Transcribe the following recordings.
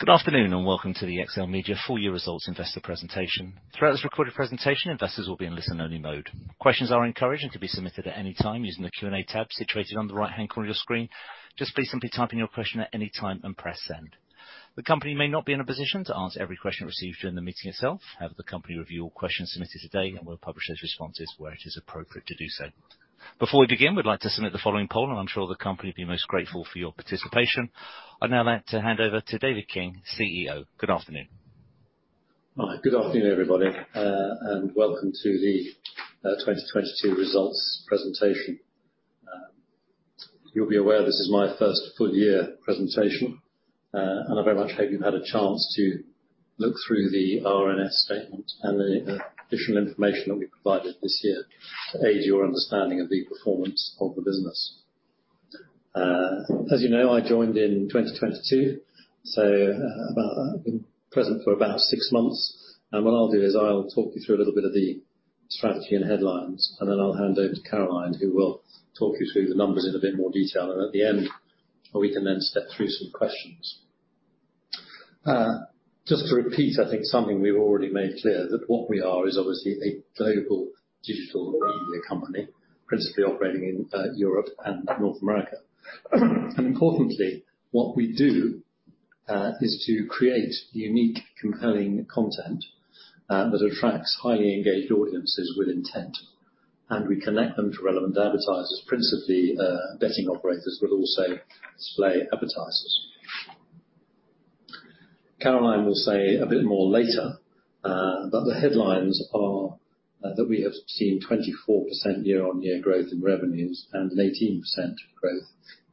Good afternoon and welcome to the XLMedia four-year results investor presentation. Throughout this recorded presentation, investors will be in listen-only mode. Questions are encouraged and can be submitted at any time using the Q&A tab situated on the right-hand corner of your screen. Just please simply type in your question at any time and press send. The company may not be in a position to answer every question received during the meeting itself, however, the company will review all questions submitted today and will publish those responses where it is appropriate to do so. Before we begin, we'd like to submit the following poll, and I'm sure the company will be most grateful for your participation. I'd now like to hand over to David King, CEO. Good afternoon. Good afternoon, everybody, and welcome to the 2022 results presentation. You'll be aware this is my first full-year presentation, and I very much hope you've had a chance to look through the RNS statement and the additional information that we've provided this year to aid your understanding of the performance of the business. As you know, I joined in 2022, so I've been present for about six months, and what I'll do is I'll talk you through a little bit of the strategy and headlines, and then I'll hand over to Caroline, who will talk you through the numbers in a bit more detail, and at the end, we can then step through some questions. Just to repeat, I think something we've already made clear: that what we are is obviously a global digital media company, principally operating in Europe and North America. And importantly, what we do is to create unique, compelling content that attracts highly engaged audiences with intent, and we connect them to relevant advertisers, principally betting operators, but also display advertisers. Caroline will say a bit more later, but the headlines are that we have seen 24% year-on-year growth in revenues and 18% growth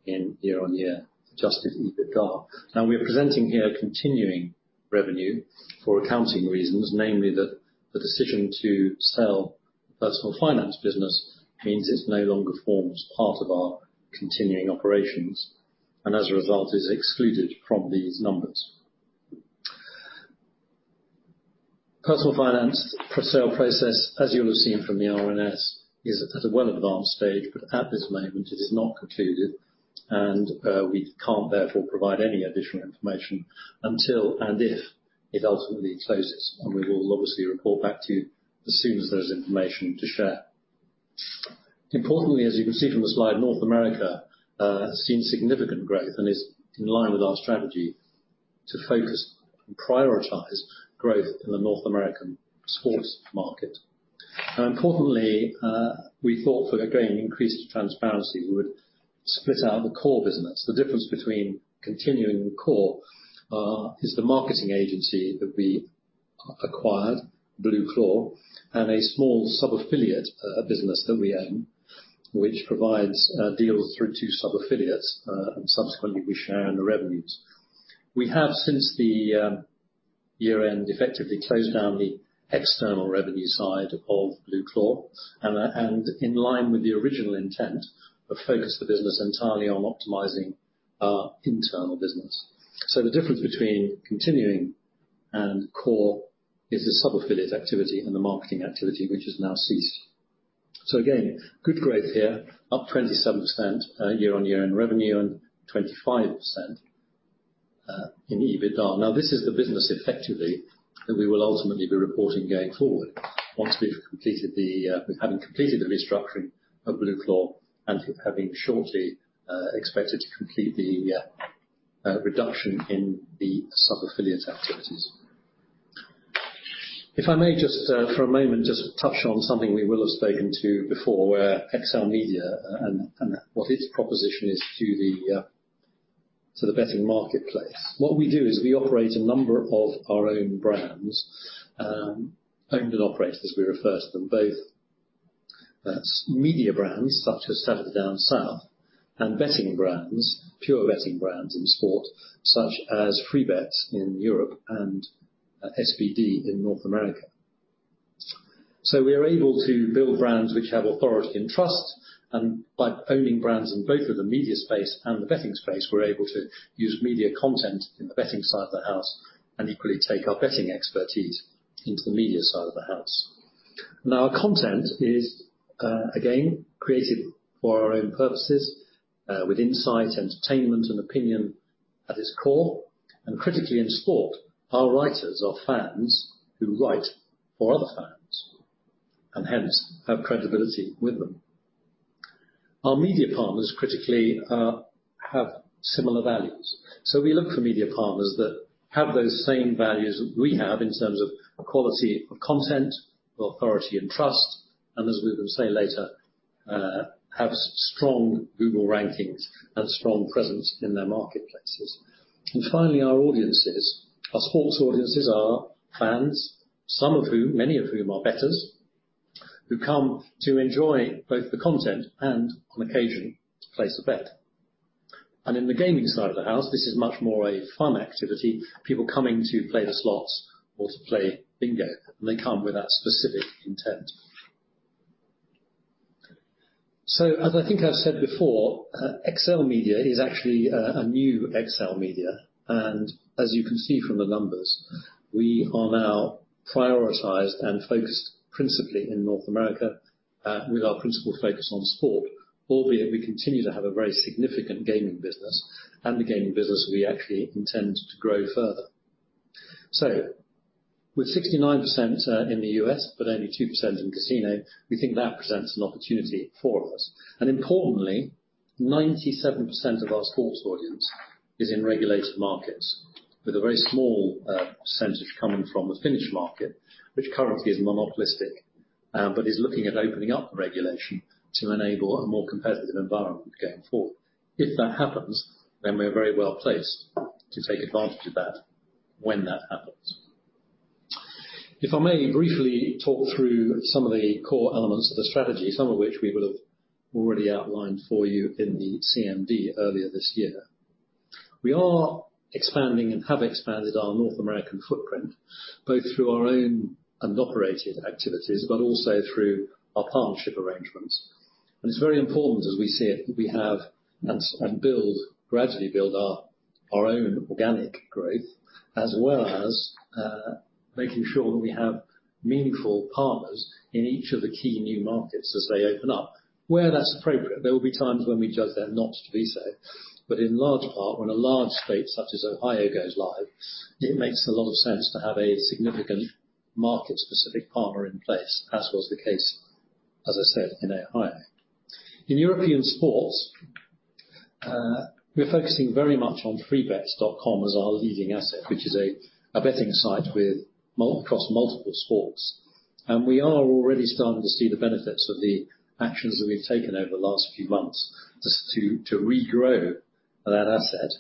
in year-on-year Adjusted EBITDA. Now, we're presenting here continuing revenue for accounting reasons, namely that the decision to sell the personal finance business means it no longer forms part of our continuing operations and, as a result, is excluded from these numbers. Personal finance sale process, as you'll have seen from the RNS, is at a well-advanced stage, but at this moment, it is not concluded, and we can't therefore provide any additional information until and if it ultimately closes. And we will obviously report back to you as soon as there is information to share. Importantly, as you can see from the slide, North America has seen significant growth and is in line with our strategy to focus and prioritize growth in the North American sports market. Now, importantly, we thought for a greater increase of transparency, we would split out the core business. The difference between continuing and core is the marketing agency that we acquired, BlueClaw, and a small sub-affiliate business that we own, which provides deals through two sub-affiliates, and subsequently, we share in the revenues. We have, since the year-end, effectively closed down the external revenue side of BlueClaw, and in line with the original intent, we've focused the business entirely on optimizing our internal business. So the difference between continuing and core is the sub-affiliate activity and the marketing activity, which has now ceased. So again, good growth here, up 27% year-on-year in revenue and 25% in EBITDA. Now, this is the business, effectively, that we will ultimately be reporting going forward once we've completed the restructuring of BlueClaw and having shortly expected to complete the reduction in the sub-affiliate activities. If I may, just for a moment, just touch on something we will have spoken to before, where XLMedia and what its proposition is to the betting marketplace. What we do is we operate a number of our own brands, owned and operated as we refer to them, both media brands such as Saturday Down South and betting brands, pure betting brands in sport, such as Freebets in Europe and SBD in North America. So we are able to build brands which have authority and trust, and by owning brands in both the media space and the betting space, we're able to use media content in the betting side of the house and equally take our betting expertise into the media side of the house. Now, our content is, again, created for our own purposes with insight, entertainment, and opinion at its core. And critically, in sport, our writers are fans who write for other fans and hence have credibility with them. Our media partners critically have similar values. So we look for media partners that have those same values we have in terms of quality of content, authority and trust, and, as we will say later, have strong Google rankings and strong presence in their marketplaces. Finally, our audiences, our sports audiences, are fans, some of whom, many of whom are bettors, who come to enjoy both the content and, on occasion, to place a bet. In the gaming side of the house, this is much more a fun activity, people coming to play the slots or to play bingo, and they come with that specific intent. As I think I've said before, XLMedia is actually a new XLMedia, and as you can see from the numbers, we are now prioritized and focused principally in North America with our principal focus on sport, albeit we continue to have a very significant gaming business and the gaming business we actually intend to grow further. With 69% in the U.S. but only 2% in casino, we think that presents an opportunity for us. Importantly, 97% of our sports audience is in regulated markets, with a very small percentage coming from the Finnish market, which currently is monopolistic but is looking at opening up the regulation to enable a more competitive environment going forward. If that happens, then we're very well placed to take advantage of that when that happens. If I may briefly talk through some of the core elements of the strategy, some of which we will have already outlined for you in the CMD earlier this year. We are expanding and have expanded our North American footprint both through our owned and operated activities but also through our partnership arrangements. It's very important, as we see it, that we have and gradually build our own organic growth, as well as making sure that we have meaningful partners in each of the key new markets as they open up. Where that's appropriate, there will be times when we judge them not to be so, but in large part, when a large state such as Ohio goes live, it makes a lot of sense to have a significant market-specific partner in place, as was the case, as I said, in Ohio. In European sports, we're focusing very much on Freebets.com as our leading asset, which is a betting site across multiple sports, and we are already starting to see the benefits of the actions that we've taken over the last few months to regrow that asset.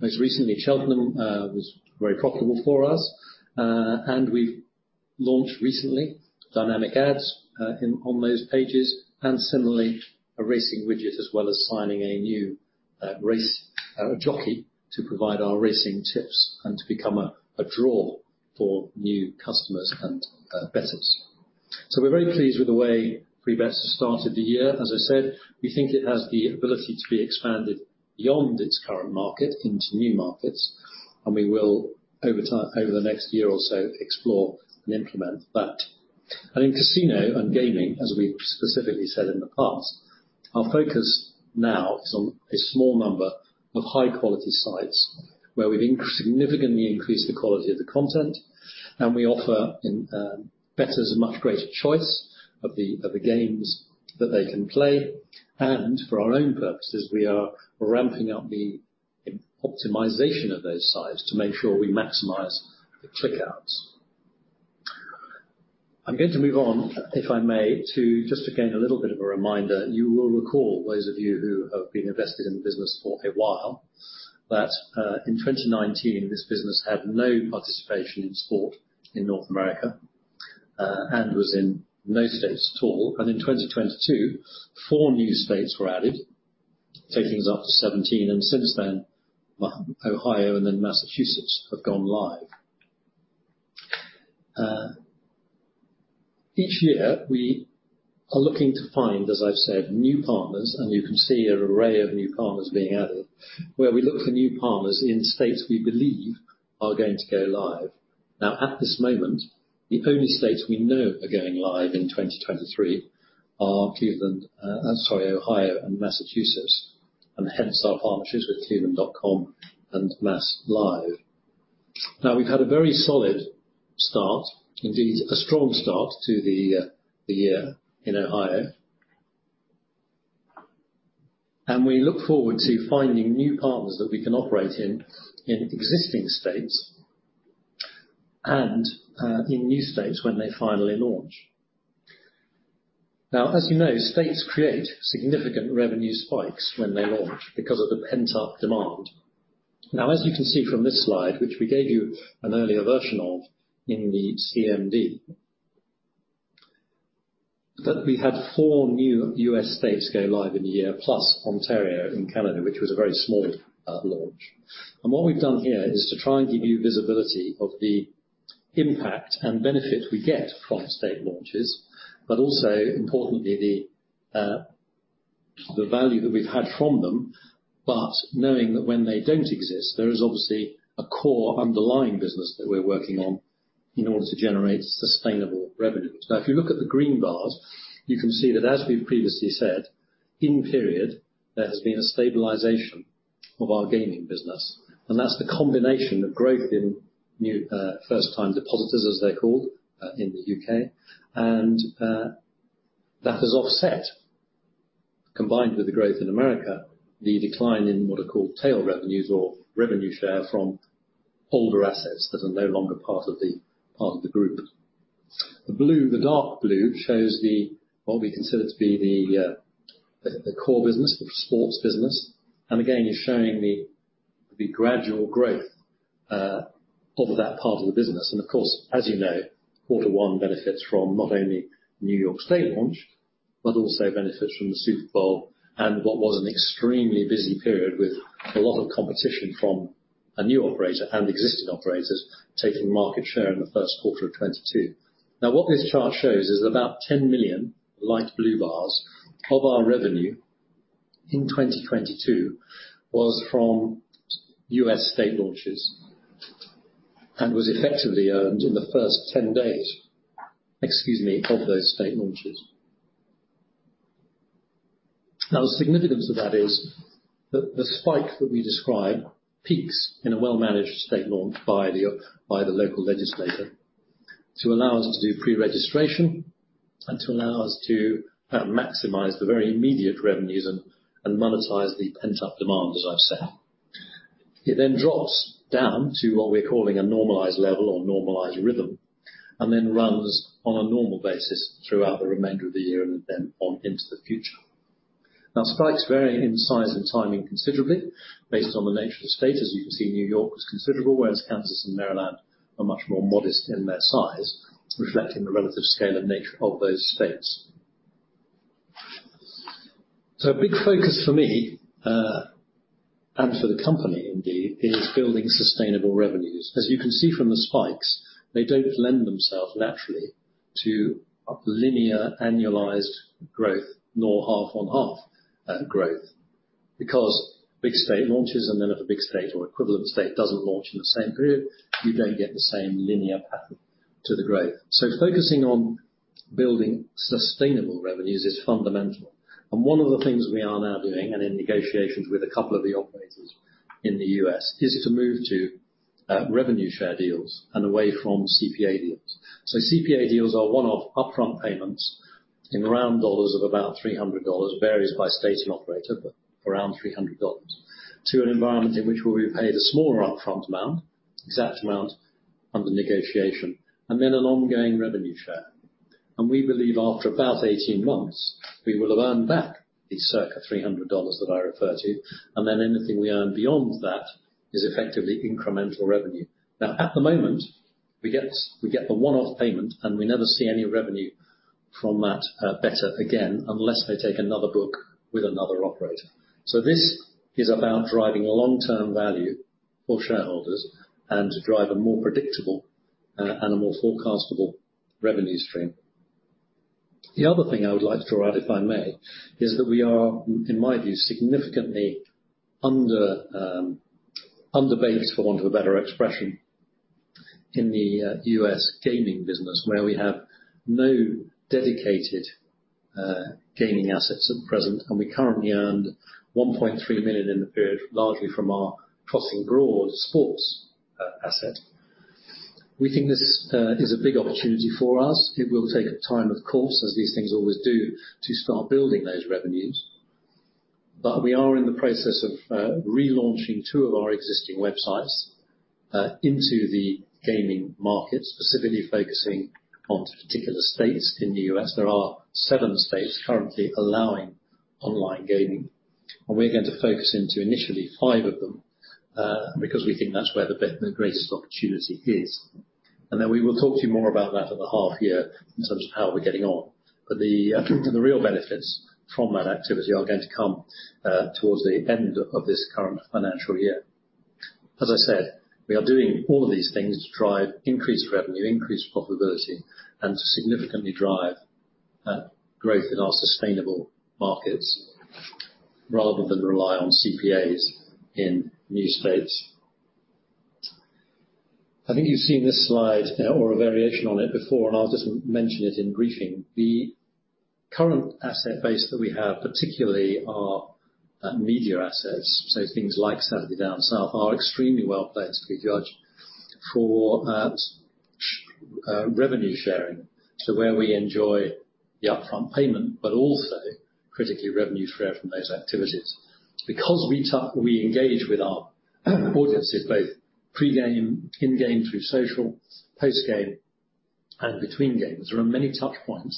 Most recently, Cheltenham was very profitable for us, and we've launched recently dynamic ads on those pages and similarly a racing widget as well as signing a new race jockey to provide our racing tips and to become a draw for new customers and bettors. We're very pleased with the way Freebets has started the year. As I said, we think it has the ability to be expanded beyond its current market into new markets, and we will, over the next year or so, explore and implement that. In casino and gaming, as we've specifically said in the past, our focus now is on a small number of high-quality sites where we've significantly increased the quality of the content, and we offer bettors a much greater choice of the games that they can play. For our own purposes, we are ramping up the optimization of those sites to make sure we maximize the click-outs. I'm going to move on, if I may, to just again a little bit of a reminder. You will recall, those of you who have been invested in the business for a while, that in 2019, this business had no participation in sport in North America and was in no states at all, and in 2022, four new states were added, taking us up to 17, and since then, Ohio and then Massachusetts have gone live. Each year, we are looking to find, as I've said, new partners, and you can see an array of new partners being added, where we look for new partners in states we believe are going to go live. Now, at this moment, the only states we know are going live in 2023 are Cleveland, sorry, Ohio, and Massachusetts, and hence our partnerships with Cleveland.com and MassLive. Now, we've had a very solid start, indeed a strong start to the year in Ohio, and we look forward to finding new partners that we can operate in existing states and in new states when they finally launch. Now, as you know, states create significant revenue spikes when they launch because of the pent-up demand. Now, as you can see from this slide, which we gave you an earlier version of in the CMD, that we had four new U.S. states go live in a year, plus Ontario in Canada, which was a very small launch. And what we've done here is to try and give you visibility of the impact and benefit we get from state launches, but also, importantly, the value that we've had from them, but knowing that when they don't exist, there is obviously a core underlying business that we're working on in order to generate sustainable revenue. Now, if you look at the green bars, you can see that, as we've previously said, in period, there has been a stabilization of our gaming business, and that's the combination of growth in new first-time depositors, as they're called in the U.K., and that has offset, combined with the growth in America, the decline in what are called tail revenues or revenue share from older assets that are no longer part of the group. The dark blue shows what we consider to be the core business, the sports business, and again, is showing the gradual growth of that part of the business. Of course, as you know, quarter 1 benefits from not only New York State launch but also benefits from the Super Bowl and what was an extremely busy period with a lot of competition from a new operator and existing operators taking market share in the first quarter of 2022. Now, what this chart shows is about 10 million, light blue bars, of our revenue in 2022 was from U.S. state launches and was effectively earned in the first 10 days, excuse me, of those state launches. Now, the significance of that is that the spike that we describe peaks in a well-managed state launch by the local legislator to allow us to do pre-registration and to allow us to maximize the very immediate revenues and monetize the pent-up demand, as I've said. It then drops down to what we're calling a normalized level or normalized rhythm and then runs on a normal basis throughout the remainder of the year and then on into the future. Now, spikes vary in size and timing considerably based on the nature of the state. As you can see, New York was considerable, whereas Kansas and Maryland are much more modest in their size, reflecting the relative scale and nature of those states. So a big focus for me and for the company, indeed, is building sustainable revenues. As you can see from the spikes, they don't lend themselves naturally to linear annualized growth nor half-on-half growth because big state launches and then if a big state or equivalent state doesn't launch in the same period, you don't get the same linear path to the growth, so focusing on building sustainable revenues is fundamental, and one of the things we are now doing and in negotiations with a couple of the operators in the U.S. is to move to revenue share deals and away from CPA deals, so CPA deals are one-off upfront payments in round dollars of about $300, varies by state and operator, but around $300, to an environment in which we'll be paid a smaller upfront amount, exact amount under negotiation, and then an ongoing revenue share. And we believe after about 18 months, we will have earned back the circa $300 that I refer to, and then anything we earn beyond that is effectively incremental revenue. Now, at the moment, we get the one-off payment, and we never see any revenue from that bettor again unless they take another book with another operator. So this is about driving long-term value for shareholders and to drive a more predictable and a more forecastable revenue stream. The other thing I would like to draw out, if I may, is that we are, in my view, significantly underbaked, for want of a better expression, in the U.S. gaming business, where we have no dedicated gaming assets at present, and we currently earned $1.3 million in the period, largely from our Crossing Broad sports asset. We think this is a big opportunity for us. It will take time, of course, as these things always do, to start building those revenues, but we are in the process of relaunching two of our existing websites into the gaming market, specifically focusing on particular states in the U.S. There are seven states currently allowing online gaming, and we're going to focus into initially five of them because we think that's where the greatest opportunity is. And then we will talk to you more about that in the half year in terms of how we're getting on, but the real benefits from that activity are going to come towards the end of this current financial year. As I said, we are doing all of these things to drive increased revenue, increased profitability, and to significantly drive growth in our sustainable markets rather than rely on CPAs in new states. I think you've seen this slide or a variation on it before, and I'll just mention it in briefing. The current asset base that we have, particularly our media assets, so things like Saturday Down South, are extremely well placed, to be judged, for revenue sharing, so where we enjoy the upfront payment but also, critically, revenue share from those activities. Because we engage with our audiences both pre-game, in-game through social, post-game, and between games, there are many touchpoints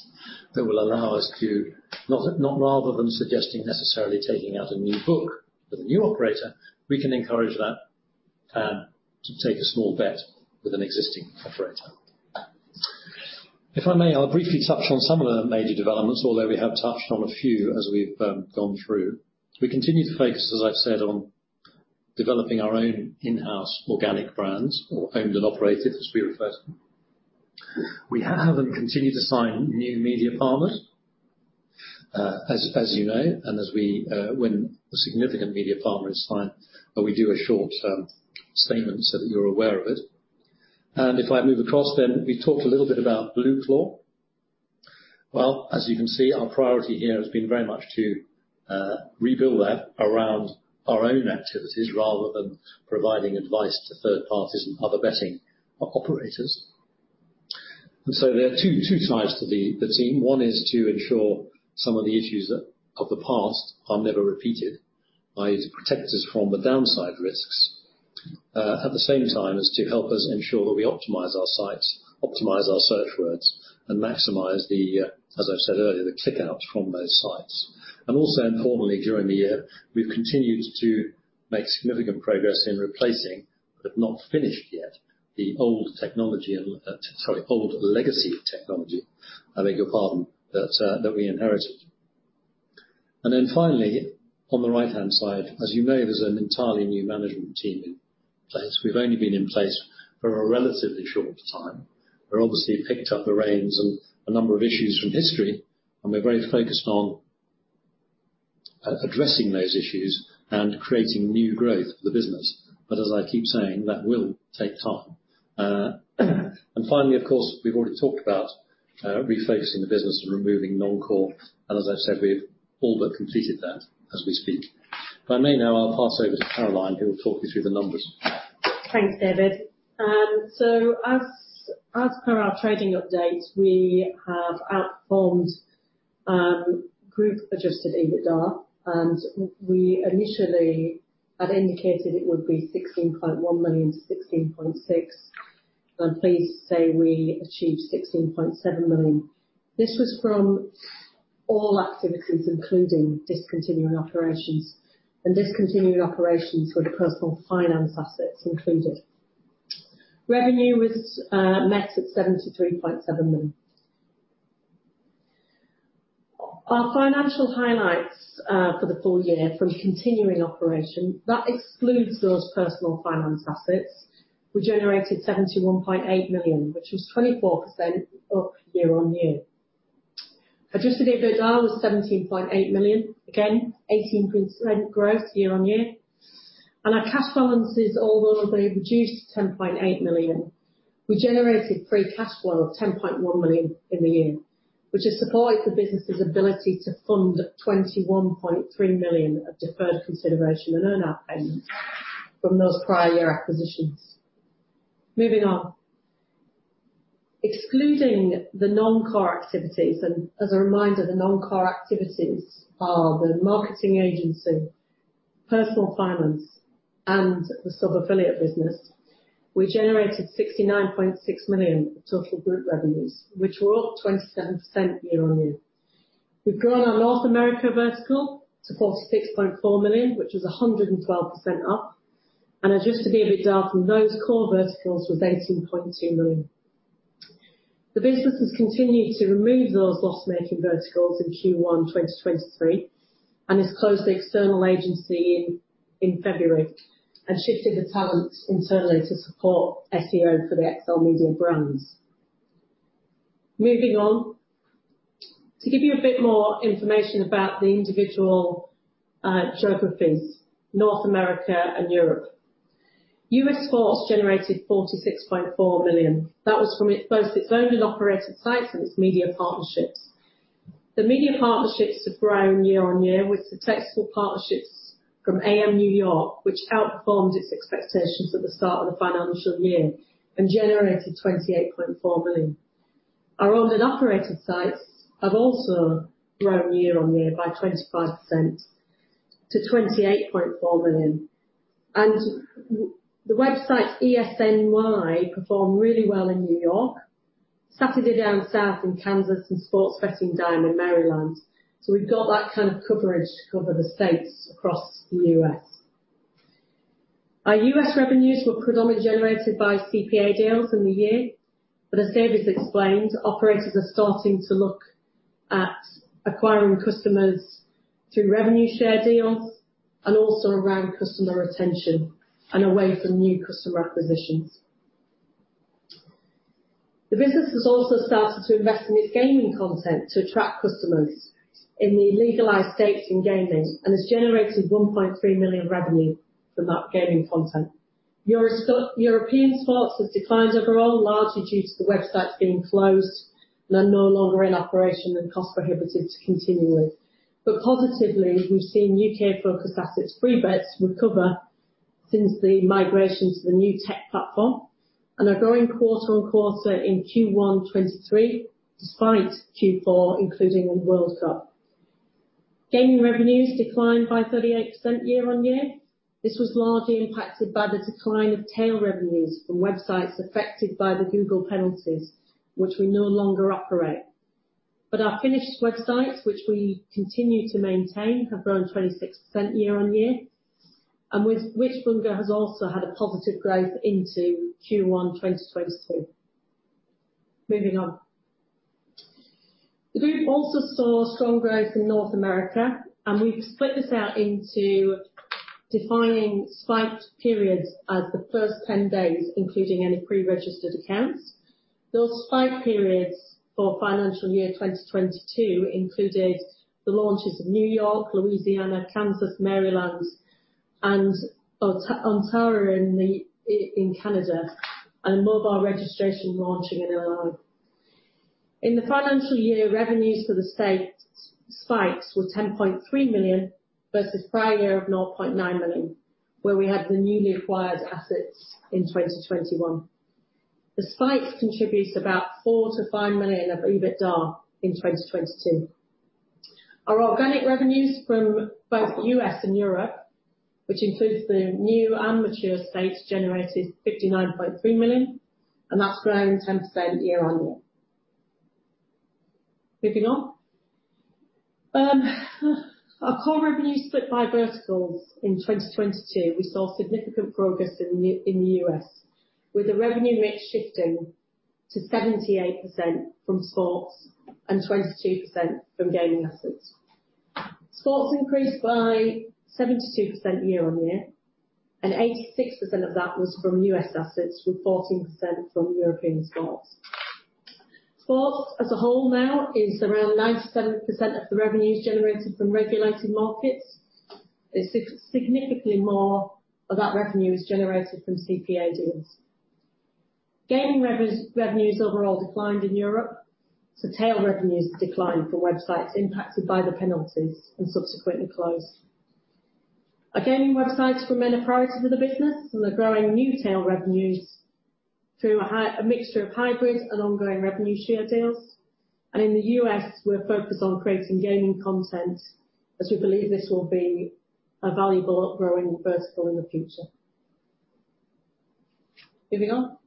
that will allow us to, not rather than suggesting necessarily taking out a new book with a new operator, we can encourage that to take a small bet with an existing operator. If I may, I'll briefly touch on some of the major developments, although we have touched on a few as we've gone through. We continue to focus, as I've said, on developing our own in-house organic brands or owned and operated, as we refer to them. We have and continue to sign new media partners, as you know, and as we, when a significant media partner is signed, we do a short statement so that you're aware of it. And if I move across, then we talked a little bit about BlueClaw. Well, as you can see, our priority here has been very much to rebuild that around our own activities rather than providing advice to third parties and other betting operators. And so there are two sides to the team. One is to ensure some of the issues of the past are never repeated, i.e., to protect us from the downside risks, at the same time as to help us ensure that we optimize our sites, optimize our search words, and maximize the, as I've said earlier, the click-out from those sites. And also, importantly, during the year, we've continued to make significant progress in replacing, but have not finished yet, the old technology and, sorry, old legacy technology, I beg your pardon, that we inherited. And then finally, on the right-hand side, as you know, there's an entirely new management team in place. We've only been in place for a relatively short time. We've obviously picked up the reins and a number of issues from history, and we're very focused on addressing those issues and creating new growth for the business. As I keep saying, that will take time. Finally, of course, we've already talked about refocusing the business and removing non-core, and as I've said, we've all but completed that as we speak. If I may now, I'll pass over to Caroline, who will talk you through the numbers. Thanks, David. As per our trading update, we have outperformed group-Adjusted EBITDA, and we initially had indicated it would be $16.1 million-$16.6 million, and we're pleased to say we achieved $16.7 million. This was from all activities, including discontinuing operations, and discontinuing operations with personal finance assets included. Revenue was met at $73.7 million. Our financial highlights for the full year from continuing operations, that excludes those personal finance assets, we generated $71.8 million, which was 24% up year-on-year. Adjusted EBITDA was $17.8 million, again, 18% growth year-on-year, and our cash balances all were reduced to $10.8 million. We generated free cash flow of $10.1 million in the year, which has supported the business's ability to fund $21.3 million of deferred consideration and earn-out payments from those prior year acquisitions. Moving on. Excluding the non-core activities, and as a reminder, the non-core activities are the marketing agency, personal finance, and the sub-affiliate business, we generated $69.6 million of total group revenues, which were up 27% year-on-year. We've grown our North America vertical to $46.4 million, which was 112% up, and Adjusted EBITDA from those core verticals was $18.2 million. The business has continued to remove those loss-making verticals in Q1 2023 and has closed the external agency in February and shifted the talent internally to support SEO for the XLMedia brands. Moving on, to give you a bit more information about the individual geographies, North America and Europe. U.S. sports generated $46.4 million. That was from both its owned and operated sites and its media partnerships. The media partnerships have grown year-on-year, with successful partnerships from amNewYork, which outperformed its expectations at the start of the financial year and generated $28.4 million. Our owned and operated sites have also grown year-on-year by 25% to $28.4 million. And the website ESNY performed really well in New York, Saturday Down South in Kansas, and Sports Betting Dime in Maryland. So we've got that kind of coverage to cover the states across the U.S. Our U.S. revenues were predominantly generated by CPA deals in the year, but as David's explained, operators are starting to look at acquiring customers through revenue share deals and also around customer retention and away from new customer acquisitions. The business has also started to invest in its gaming content to attract customers in the legalized states in gaming and has generated $1.3 million revenue from that gaming content. European sports has declined overall, largely due to the websites being closed and are no longer in operation and cost-prohibitive to continue with. Positively, we've seen U.K.-focused assets, Freebets, recover since the migration to the new tech platform and are growing quarter-on-quarter in Q1 2023, despite Q4, including the World Cup. Gaming revenues declined by 38% year-on-year. This was largely impacted by the decline of tail revenues from websites affected by the Google penalties, which we no longer operate, but our Finnish websites, which we continue to maintain, have grown 26% year-on-year, and WhichBingo has also had a positive growth into Q1 2022. Moving on. The group also saw strong growth in North America, and we've split this out into defining spike periods as the first 10 days, including any pre-registered accounts. Those spike periods for financial year 2022 included the launches of New York, Louisiana, Kansas, Maryland, and Ontario in Canada, and a mobile registration launching in L.A. In the financial year, revenues for the states' spikes were $10.3 million versus prior year of $0.9 million, where we had the newly acquired assets in 2021. The spikes contribute about $4 million-$5 million of EBITDA in 2022. Our organic revenues from both U.S. and Europe, which includes the new and mature states, generated $59.3 million, and that's grown 10% year-on-year. Moving on. Our core revenues split by verticals in 2022, we saw significant progress in the U.S., with the revenue mix shifting to 78% from sports and 22% from gaming assets. Sports increased by 72% year-on-year, and 86% of that was from U.S. assets, with 14% from European sports. Sports as a whole now is around 97% of the revenues generated from regulated markets. It's significantly more of that revenue is generated from CPA deals. Gaming revenues overall declined in Europe, so tail revenues declined from websites impacted by the penalties and subsequently closed. Our gaming websites remain a priority for the business, and they're growing new tail revenues through a mixture of hybrid and ongoing revenue share deals. In the U.S., we're focused on creating gaming content as we believe this will be a valuable up-and-coming vertical in the future. Moving on.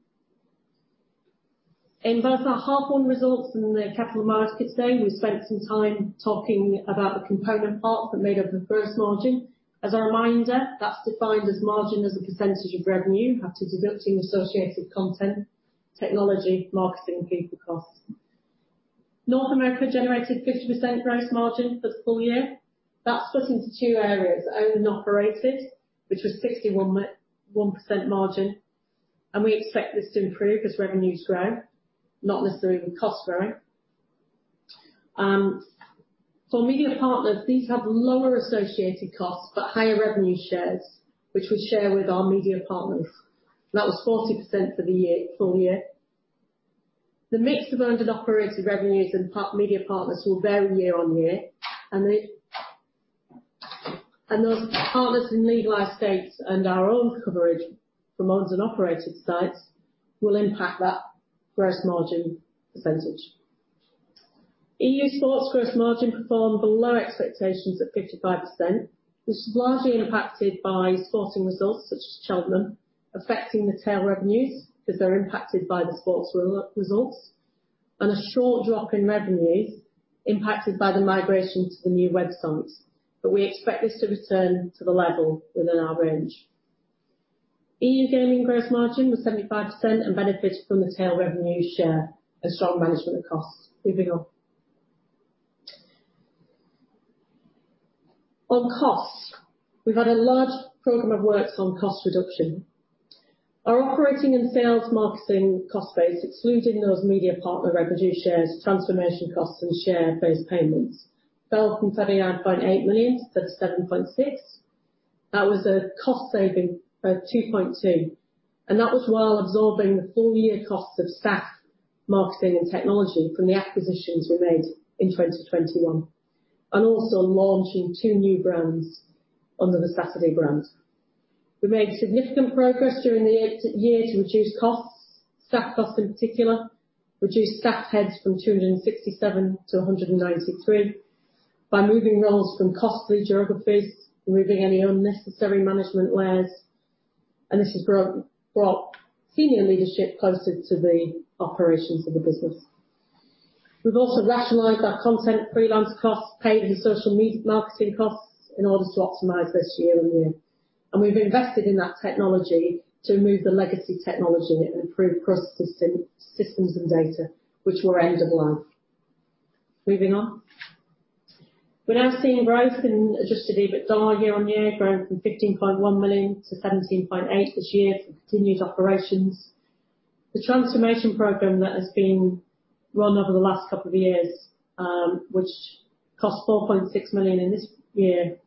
In both our half-year results and the Capital Markets Day, we spent some time talking about the component parts that made up the gross margin. As a reminder, that's defined as margin as a percentage of revenue, after deducting associated content, technology, marketing, and people costs. North America generated 50% gross margin for the full year. That's split into two areas: owned and operated, which was 61% margin, and we expect this to improve as revenues grow, not necessarily with costs growing. For media partners, these have lower associated costs but higher revenue shares, which we share with our media partners. That was 40% for the full year. The mix of owned and operated revenues and media partners will vary year-on-year, and those partners in legalized states and our own coverage from owned and operated sites will impact that gross margin percentage. EU sports gross margin performed below expectations at 55%, which was largely impacted by sporting results such as Cheltenham, affecting the tail revenues because they're impacted by the sports results, and a short drop in revenues impacted by the migration to the new websites. But we expect this to return to the level within our range. EU gaming gross margin was 75% and benefited from the tail revenue share and strong management of costs. Moving on. On costs, we've had a large program of works on cost reduction. Our operating and sales marketing cost base, excluding those media partner revenue shares, transformation costs, and share-based payments, fell from $39.8 million to $37.6 million. That was a cost saving of $2.2 million, and that was while absorbing the full year costs of staff, marketing, and technology from the acquisitions we made in 2021, and also launching two new brands under the Saturday brand. We made significant progress during the year to reduce costs, staff costs in particular, reduce staff heads from 267 to 193 by moving roles from costly geographies, removing any unnecessary management layers, and this has brought senior leadership closer to the operations of the business. We've also rationalized our content freelance costs, paid the social media marketing costs in order to optimize this year-on-year, and we've invested in that technology to remove the legacy technology and improve process systems and data, which were end-of-life. Moving on. We're now seeing growth in Adjusted EBITDA year-on-year, growing from $15.1 million to $17.8 million this year for continued operations. The transformation program that has been run over the last couple of years, which cost $4.6 million in this year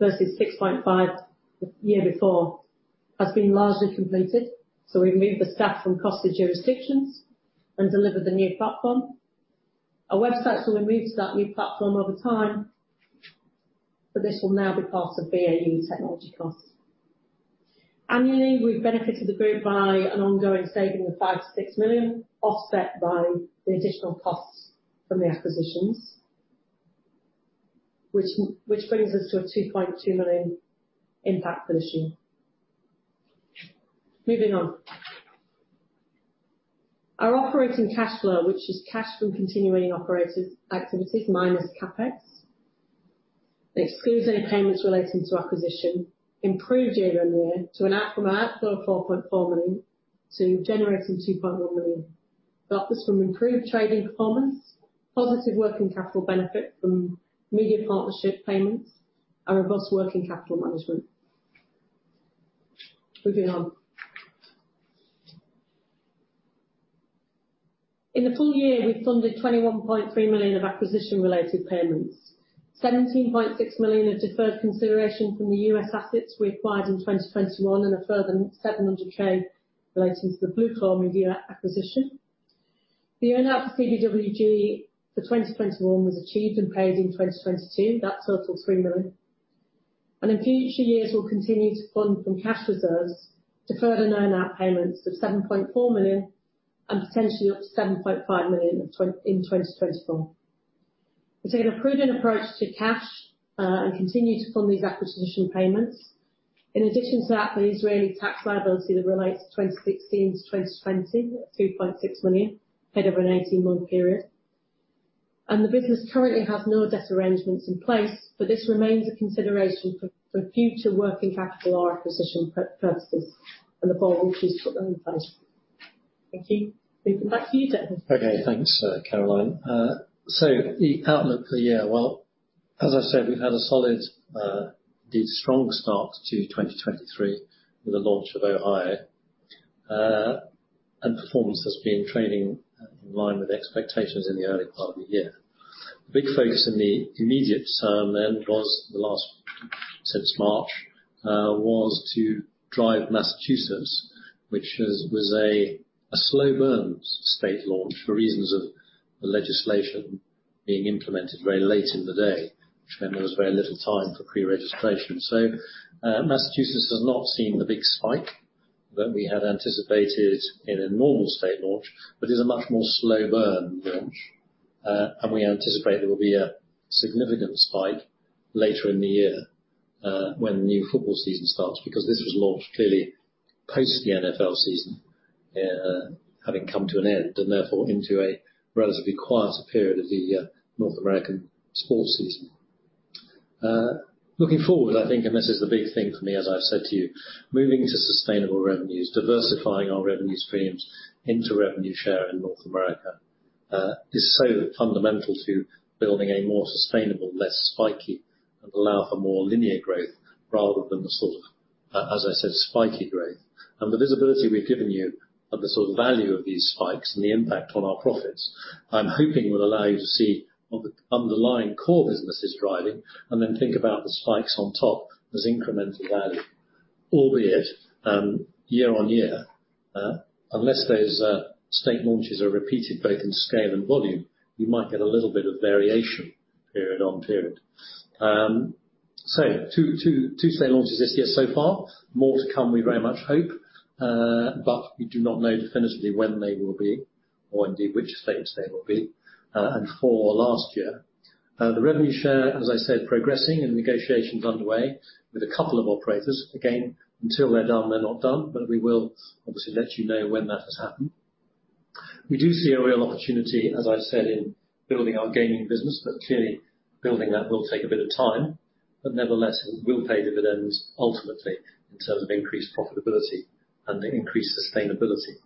versus $6.5 million the year before, has been largely completed. So we've moved the staff from costed jurisdictions and delivered the new platform. Our websites will be moved to that new platform over time, but this will now be part of BAU technology costs. Annually, we've benefited the group by an ongoing saving of $5 million-$6 million, offset by the additional costs from the acquisitions, which brings us to a $2.2 million impact for this year. Moving on. Our operating cash flow, which is cash from continuing operators' activities minus CapEx, excludes any payments relating to acquisition, improved year-on-year from an outflow of $4.4 million to generating $2.1 million. That was from improved trading performance, positive working capital benefit from media partnership payments, and robust working capital management. Moving on. In the full year, we funded $21.3 million of acquisition-related payments, $17.6 million of deferred consideration from the U.S. assets we acquired in 2021, and a further $700,000 relating to the BlueClaw acquisition. The earn-out for CBWG for 2021 was achieved and paid in 2022. That totaled $3 million. And in future years, we'll continue to fund from cash reserves, deferred and earn-out payments of $7.4 million and potentially up to $7.5 million in 2024. We've taken a prudent approach to cash and continue to fund these acquisition payments. In addition to that, the Israeli tax liability that relates to 2016 to 2020, $2.6 million ahead of an 18-month period. And the business currently has no debt arrangements in place, but this remains a consideration for future working capital or acquisition purposes, and the board will choose to put that in place. Thank you. Moving back to you, David. Okay. Thanks, Caroline. So the outlook for the year, well, as I said, we've had a solid, indeed strong start to 2023 with the launch of Ohio, and performance has been trading in line with expectations in the early part of the year. The big focus in the immediate term then was the launch since March was to drive Massachusetts, which was a slow-burn state launch for reasons of the legislation being implemented very late in the day, which meant there was very little time for pre-registration. Massachusetts has not seen the big spike that we had anticipated in a normal state launch, but it's a much more slow-burn launch, and we anticipate there will be a significant spike later in the year when the new football season starts because this was launched clearly post the NFL season, having come to an end and therefore into a relatively quieter period of the North American sports season. Looking forward, I think, and this is the big thing for me, as I've said to you, moving to sustainable revenues, diversifying our revenue streams into revenue share in North America is so fundamental to building a more sustainable, less spiky, and allow for more linear growth rather than the sort of, as I said, spiky growth. And the visibility we've given you of the sort of value of these spikes and the impact on our profits, I'm hoping will allow you to see what the underlying core business is driving and then think about the spikes on top as incremental value, albeit year-on-year. Unless those state launches are repeated both in scale and volume, you might get a little bit of variation period on period. So two state launches this year so far, more to come, we very much hope, but we do not know definitively when they will be or indeed which state they will be. And for last year, the revenue share, as I said, progressing and negotiations underway with a couple of operators. Again, until they're done, they're not done, but we will obviously let you know when that has happened. We do see a real opportunity, as I said, in building our gaming business, but clearly building that will take a bit of time. But nevertheless, it will pay dividends ultimately in terms of increased profitability and increased sustainability,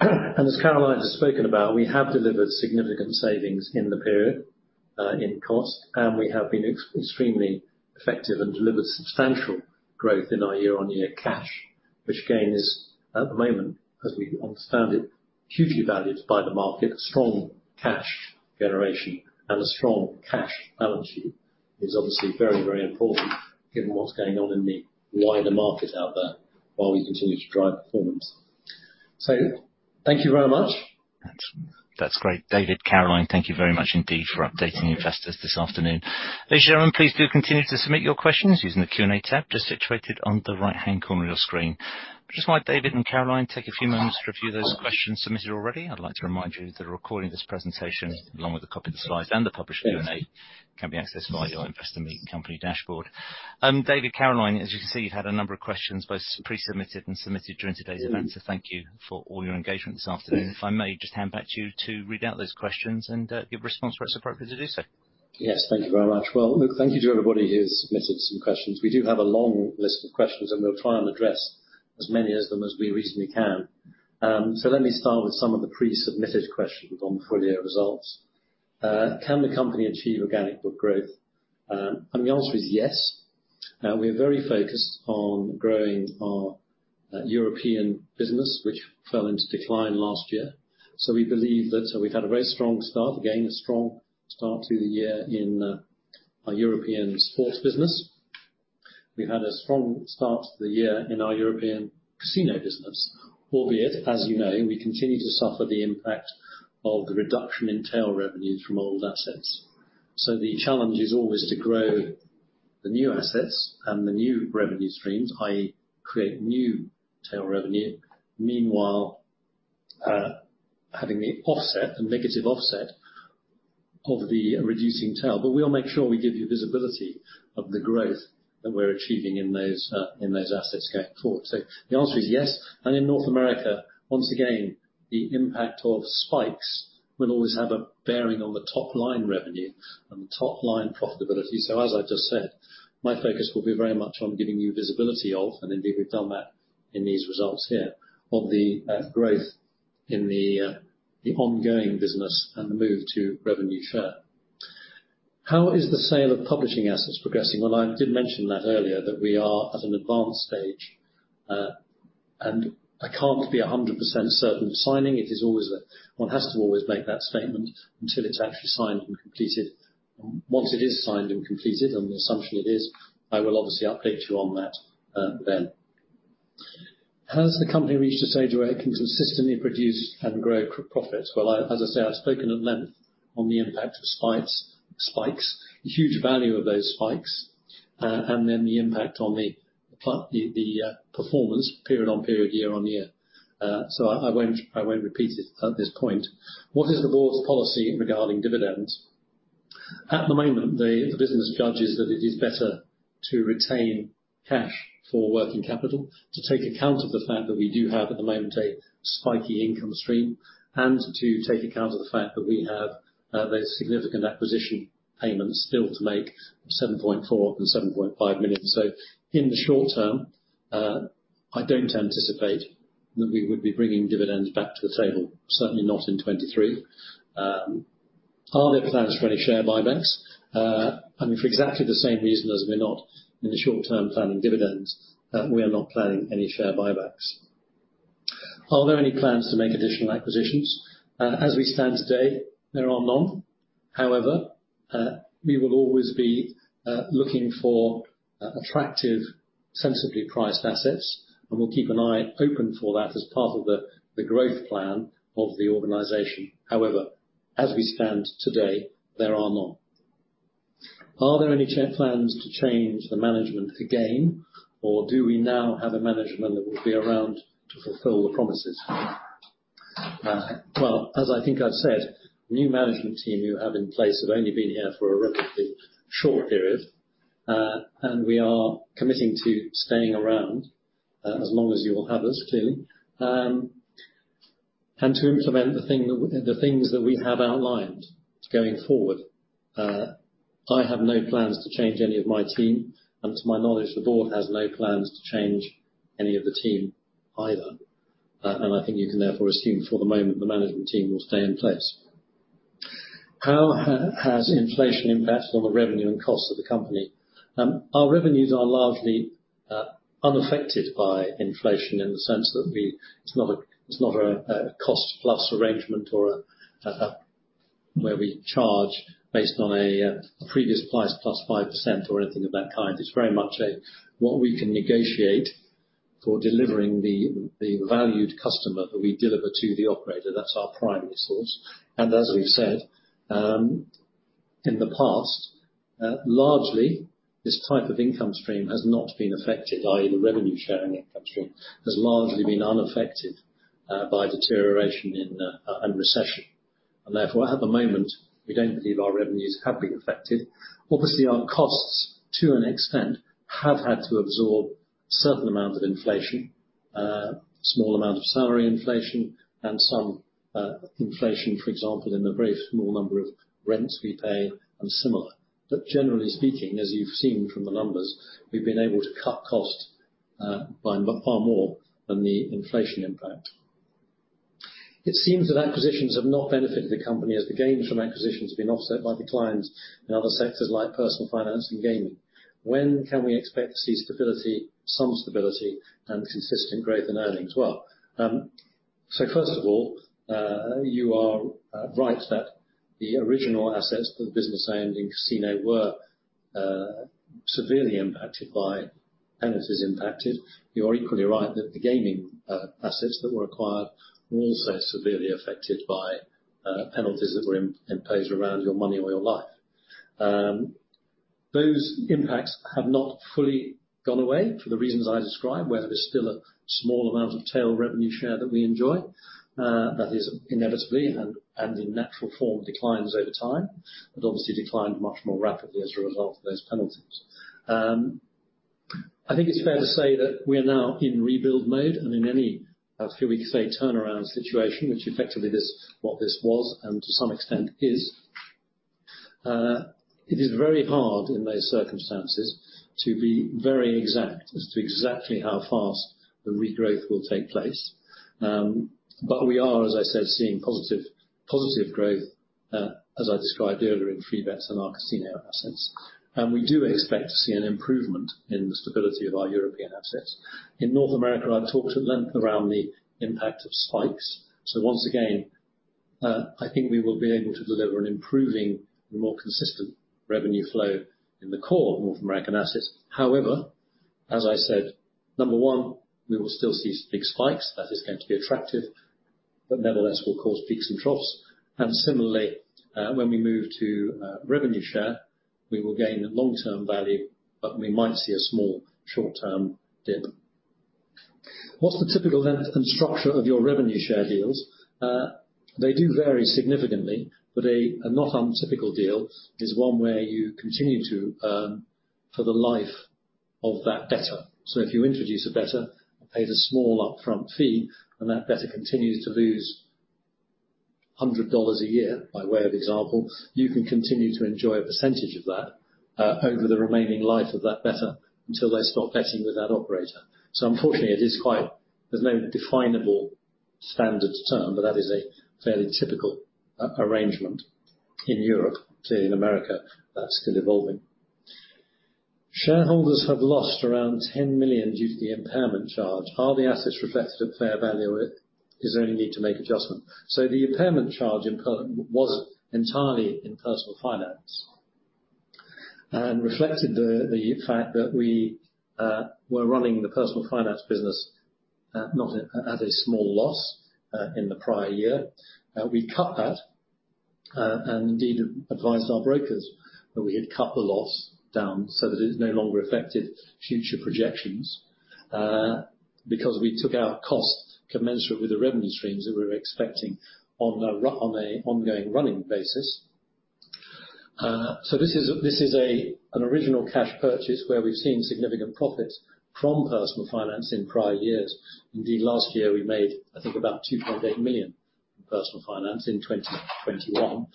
and as Caroline has spoken about, we have delivered significant savings in the period in cost, and we have been extremely effective and delivered substantial growth in our year-on-year cash, which again is, at the moment, as we understand it, hugely valued by the market, a strong cash generation, and a strong cash balance sheet is obviously very, very important given what's going on in the wider market out there while we continue to drive performance. So thank you very much. That's great. David, Caroline, thank you very much indeed for updating investors this afternoon. Ladies and gentlemen, please do continue to submit your questions using the Q&A tab just situated on the right-hand corner of your screen. Just while David and Caroline take a few moments to review those questions submitted already, I'd like to remind you that the recording of this presentation, along with a copy of the slides and the published Q&A, can be accessed via your Investor Meet Company dashboard. David, Caroline, as you can see, you've had a number of questions both pre-submitted and submitted during today's event, so thank you for all your engagement this afternoon. If I may, just hand back to you to read out those questions and give a response where it's appropriate to do so. Yes, thank you very much. Well, look, thank you to everybody who's submitted some questions. We do have a long list of questions, and we'll try and address as many of them as we reasonably can. So let me start with some of the pre-submitted questions on the full year results. Can the company achieve organic book growth? And the answer is yes. We are very focused on growing our European business, which fell into decline last year. So we believe that we've had a very strong start, again, a strong start to the year in our European sports business. We've had a strong start to the year in our European casino business, albeit, as you know, we continue to suffer the impact of the reduction in tail revenues from old assets. So the challenge is always to grow the new assets and the new revenue streams, i.e., create new tail revenue, meanwhile having the offset, the negative offset of the reducing tail. But we'll make sure we give you visibility of the growth that we're achieving in those assets going forward. So the answer is yes. And in North America, once again, the impact of spikes will always have a bearing on the top-line revenue and the top-line profitability. So as I've just said, my focus will be very much on giving you visibility of, and indeed we've done that in these results here, of the growth in the ongoing business and the move to revenue share. How is the sale of publishing assets progressing? Well, I did mention that earlier, that we are at an advanced stage, and I can't be 100% certain of signing. It is always that one has to always make that statement until it's actually signed and completed. Once it is signed and completed and the assumption it is, I will obviously update you on that then. Has the company reached a stage where it can consistently produce and grow profits? Well, as I say, I've spoken at length on the impact of spikes, the huge value of those spikes, and then the impact on the performance period on period, year-on-year. So I won't repeat it at this point. What is the board's policy regarding dividends? At the moment, the business judges that it is better to retain cash for working capital, to take account of the fact that we do have at the moment a spiky income stream, and to take account of the fact that we have those significant acquisition payments still to make of $7.4 million and $7.5 million. So in the short term, I don't anticipate that we would be bringing dividends back to the table, certainly not in 2023. Are there plans for any share buybacks? I mean, for exactly the same reason as we're not in the short term planning dividends, we are not planning any share buybacks. Are there any plans to make additional acquisitions? As we stand today, there are none. However, we will always be looking for attractive, sensibly priced assets, and we'll keep an eye open for that as part of the growth plan of the organization. However, as we stand today, there are none. Are there any plans to change the management again, or do we now have a management that will be around to fulfill the promises? Well, as I think I've said, new management team you have in place have only been here for a relatively short period, and we are committing to staying around as long as you will have us, clearly, and to implement the things that we have outlined going forward. I have no plans to change any of my team, and to my knowledge, the board has no plans to change any of the team either. And I think you can therefore assume for the moment the management team will stay in place. How has inflation impacted on the revenue and costs of the company? Our revenues are largely unaffected by inflation in the sense that it's not a cost-plus arrangement or where we charge based on a previous price +5% or anything of that kind. It's very much what we can negotiate for delivering the valued customer that we deliver to the operator. That's our primary source. And as we've said, in the past, largely, this type of income stream has not been affected, i.e., the revenue-sharing income stream has largely been unaffected by deterioration and recession. Therefore, at the moment, we don't believe our revenues have been affected. Obviously, our costs, to an extent, have had to absorb a certain amount of inflation, a small amount of salary inflation, and some inflation, for example, in the very small number of rents we pay and similar. But generally speaking, as you've seen from the numbers, we've been able to cut costs by far more than the inflation impact. It seems that acquisitions have not benefited the company as the gains from acquisitions have been offset by declines in other sectors like personal finance and gaming. When can we expect to see some stability and consistent growth in earnings? So first of all, you are right that the original assets for the business online casino were severely impacted by penalties. You are equally right that the gaming assets that were acquired were also severely affected by penalties that were imposed around your money or your life. Those impacts have not fully gone away for the reasons I described, where there is still a small amount of tail revenue share that we enjoy. That is inevitably and in natural form declines over time, but obviously declined much more rapidly as a result of those penalties. I think it's fair to say that we are now in rebuild mode and in any few-week-three turnaround situation, which effectively is what this was and to some extent is. It is very hard in those circumstances to be very exact as to exactly how fast the regrowth will take place. But we are, as I said, seeing positive growth, as I described earlier, in Freebets and our casino assets. We do expect to see an improvement in the stability of our European assets. In North America, I've talked at length around the impact of spikes. Once again, I think we will be able to deliver an improving and more consistent revenue flow in the core of North American assets. However, as I said, number one, we will still see big spikes. That is going to be attractive, but nevertheless will cause peaks and troughs. And similarly, when we move to revenue share, we will gain a long-term value, but we might see a small short-term dip. What's the typical length and structure of your revenue share deals? They do vary significantly, but a not untypical deal is one where you continue to for the life of that better. So if you introduce a bettor, pay the small upfront fee, and that bettor continues to lose $100 a year by way of example, you can continue to enjoy a percentage of that over the remaining life of that bettor until they stop betting with that operator. So unfortunately, it is quite, there's no definable standard term, but that is a fairly typical arrangement in Europe. Clearly, in America, that's still evolving. Shareholders have lost around $10 million due to the impairment charge. Are the assets reflected at fair value? Is there any need to make adjustment? So the impairment charge was entirely in personal finance and reflected the fact that we were running the personal finance business not at a small loss in the prior year. We cut that and indeed advised our brokers that we had cut the loss down so that it no longer affected future projections because we took out costs commensurate with the revenue streams that we were expecting on an ongoing running basis. So this is an original cash purchase where we've seen significant profits from personal finance in prior years. Indeed, last year, we made, I think, about $2.8 million in personal finance in 2021,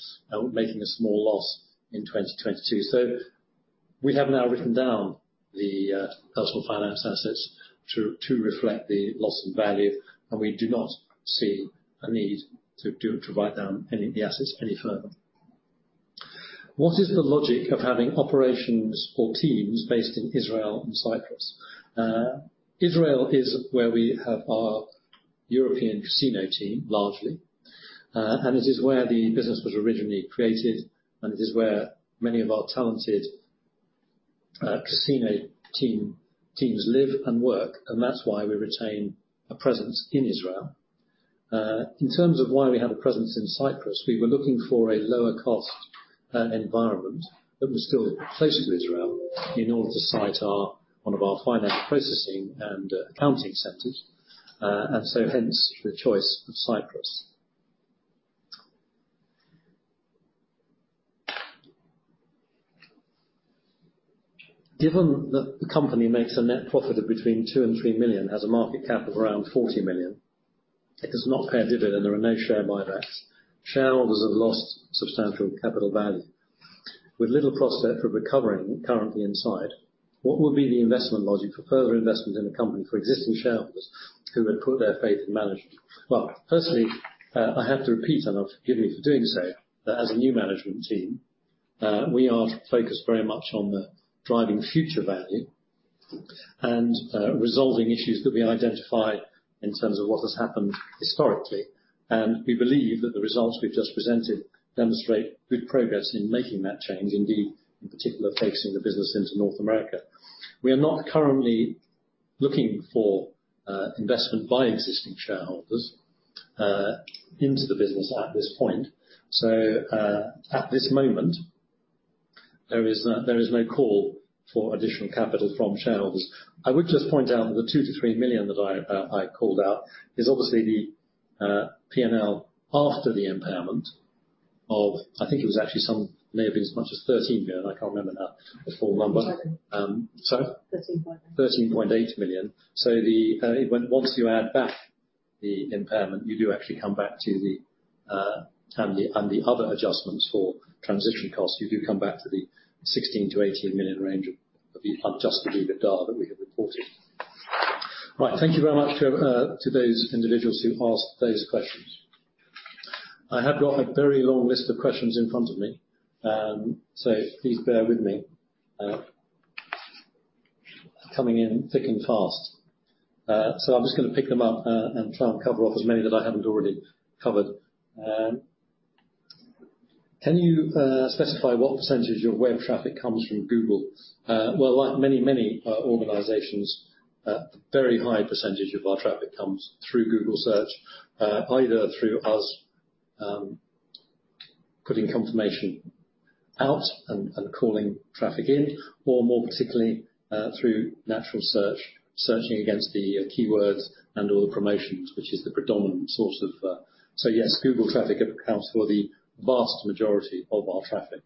making a small loss in 2022. So we have now written down the personal finance assets to reflect the loss in value, and we do not see a need to write down any of the assets any further. What is the logic of having operations or teams based in Israel and Cyprus? Israel is where we have our European casino team, largely, and it is where the business was originally created, and it is where many of our talented casino teams live and work, and that's why we retain a presence in Israel. In terms of why we have a presence in Cyprus, we were looking for a lower-cost environment that was still closer to Israel in order to site one of our finance processing and accounting centers, and so hence the choice of Cyprus. Given that the company makes a net profit of between $2 million and $3 million, has a market cap of around $40 million, it does not pay a dividend, and there are no share buybacks. Shareholders have lost substantial capital value. With little prospect for recovery currently in sight, what would be the investment logic for further investment in a company for existing shareholders who had put their faith in management? Well, personally, I have to repeat, and you'll forgive me for doing so, that as a new management team, we are focused very much on driving future value and resolving issues that we identify in terms of what has happened historically. And we believe that the results we've just presented demonstrate good progress in making that change, indeed, in particular, focusing the business into North America. We are not currently looking for investment by existing shareholders into the business at this point. So at this moment, there is no call for additional capital from shareholders. I would just point out that the $2 million-$3 million that I called out is obviously the P&L after the impairment of, I think it was actually some, may have been as much as $13 million. I can't remember now the full number. Sorry? $13.8 million. $13.8 million. So once you add back the impairment, you do actually come back to the, and the other adjustments for transition costs, you do come back to the $16 million-$18 million range of the Adjusted EBITDA that we have reported. Right. Thank you very much to those individuals who asked those questions. I have got a very long list of questions in front of me, so please bear with me. They're coming in thick and fast. So I'm just going to pick them up and try and cover off as many that I haven't already covered. Can you specify what percentage of your web traffic comes from Google? Well, like many, many organizations, a very high percentage of our traffic comes through Google Search, either through us putting confirmation out and calling traffic in, or more particularly through natural search, searching against the keywords and/or the promotions, which is the predominant source of. So yes, Google traffic accounts for the vast majority of our traffic.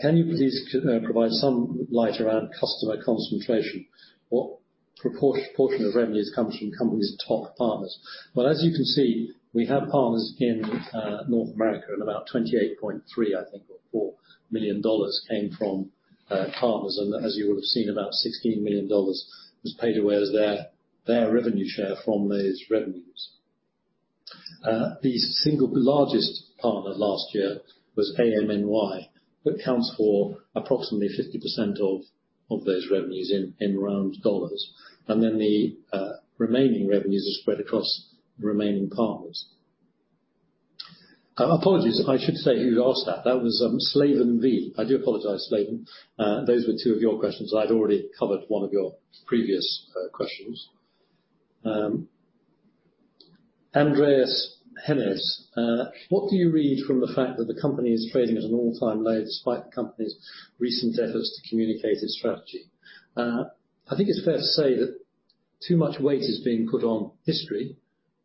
Can you please provide some light around customer concentration? What proportion of revenues comes from companies' top partners? Well, as you can see, we have partners in North America, and about $28.3 million, I think, or $4 million came from partners, and as you will have seen, about $16 million was paid away as their revenue share from those revenues. The single largest partner last year was amNY, that accounts for approximately 50% of those revenues in round dollars. And then the remaining revenues are spread across the remaining partners. Apologies, I should say who asked that. That was Slavan V. I do apologize, Slavan. Those were two of your questions. I'd already covered one of your previous questions. Andreas Hennes, what do you read from the fact that the company is trading at an all-time low despite the company's recent efforts to communicate its strategy? I think it's fair to say that too much weight is being put on history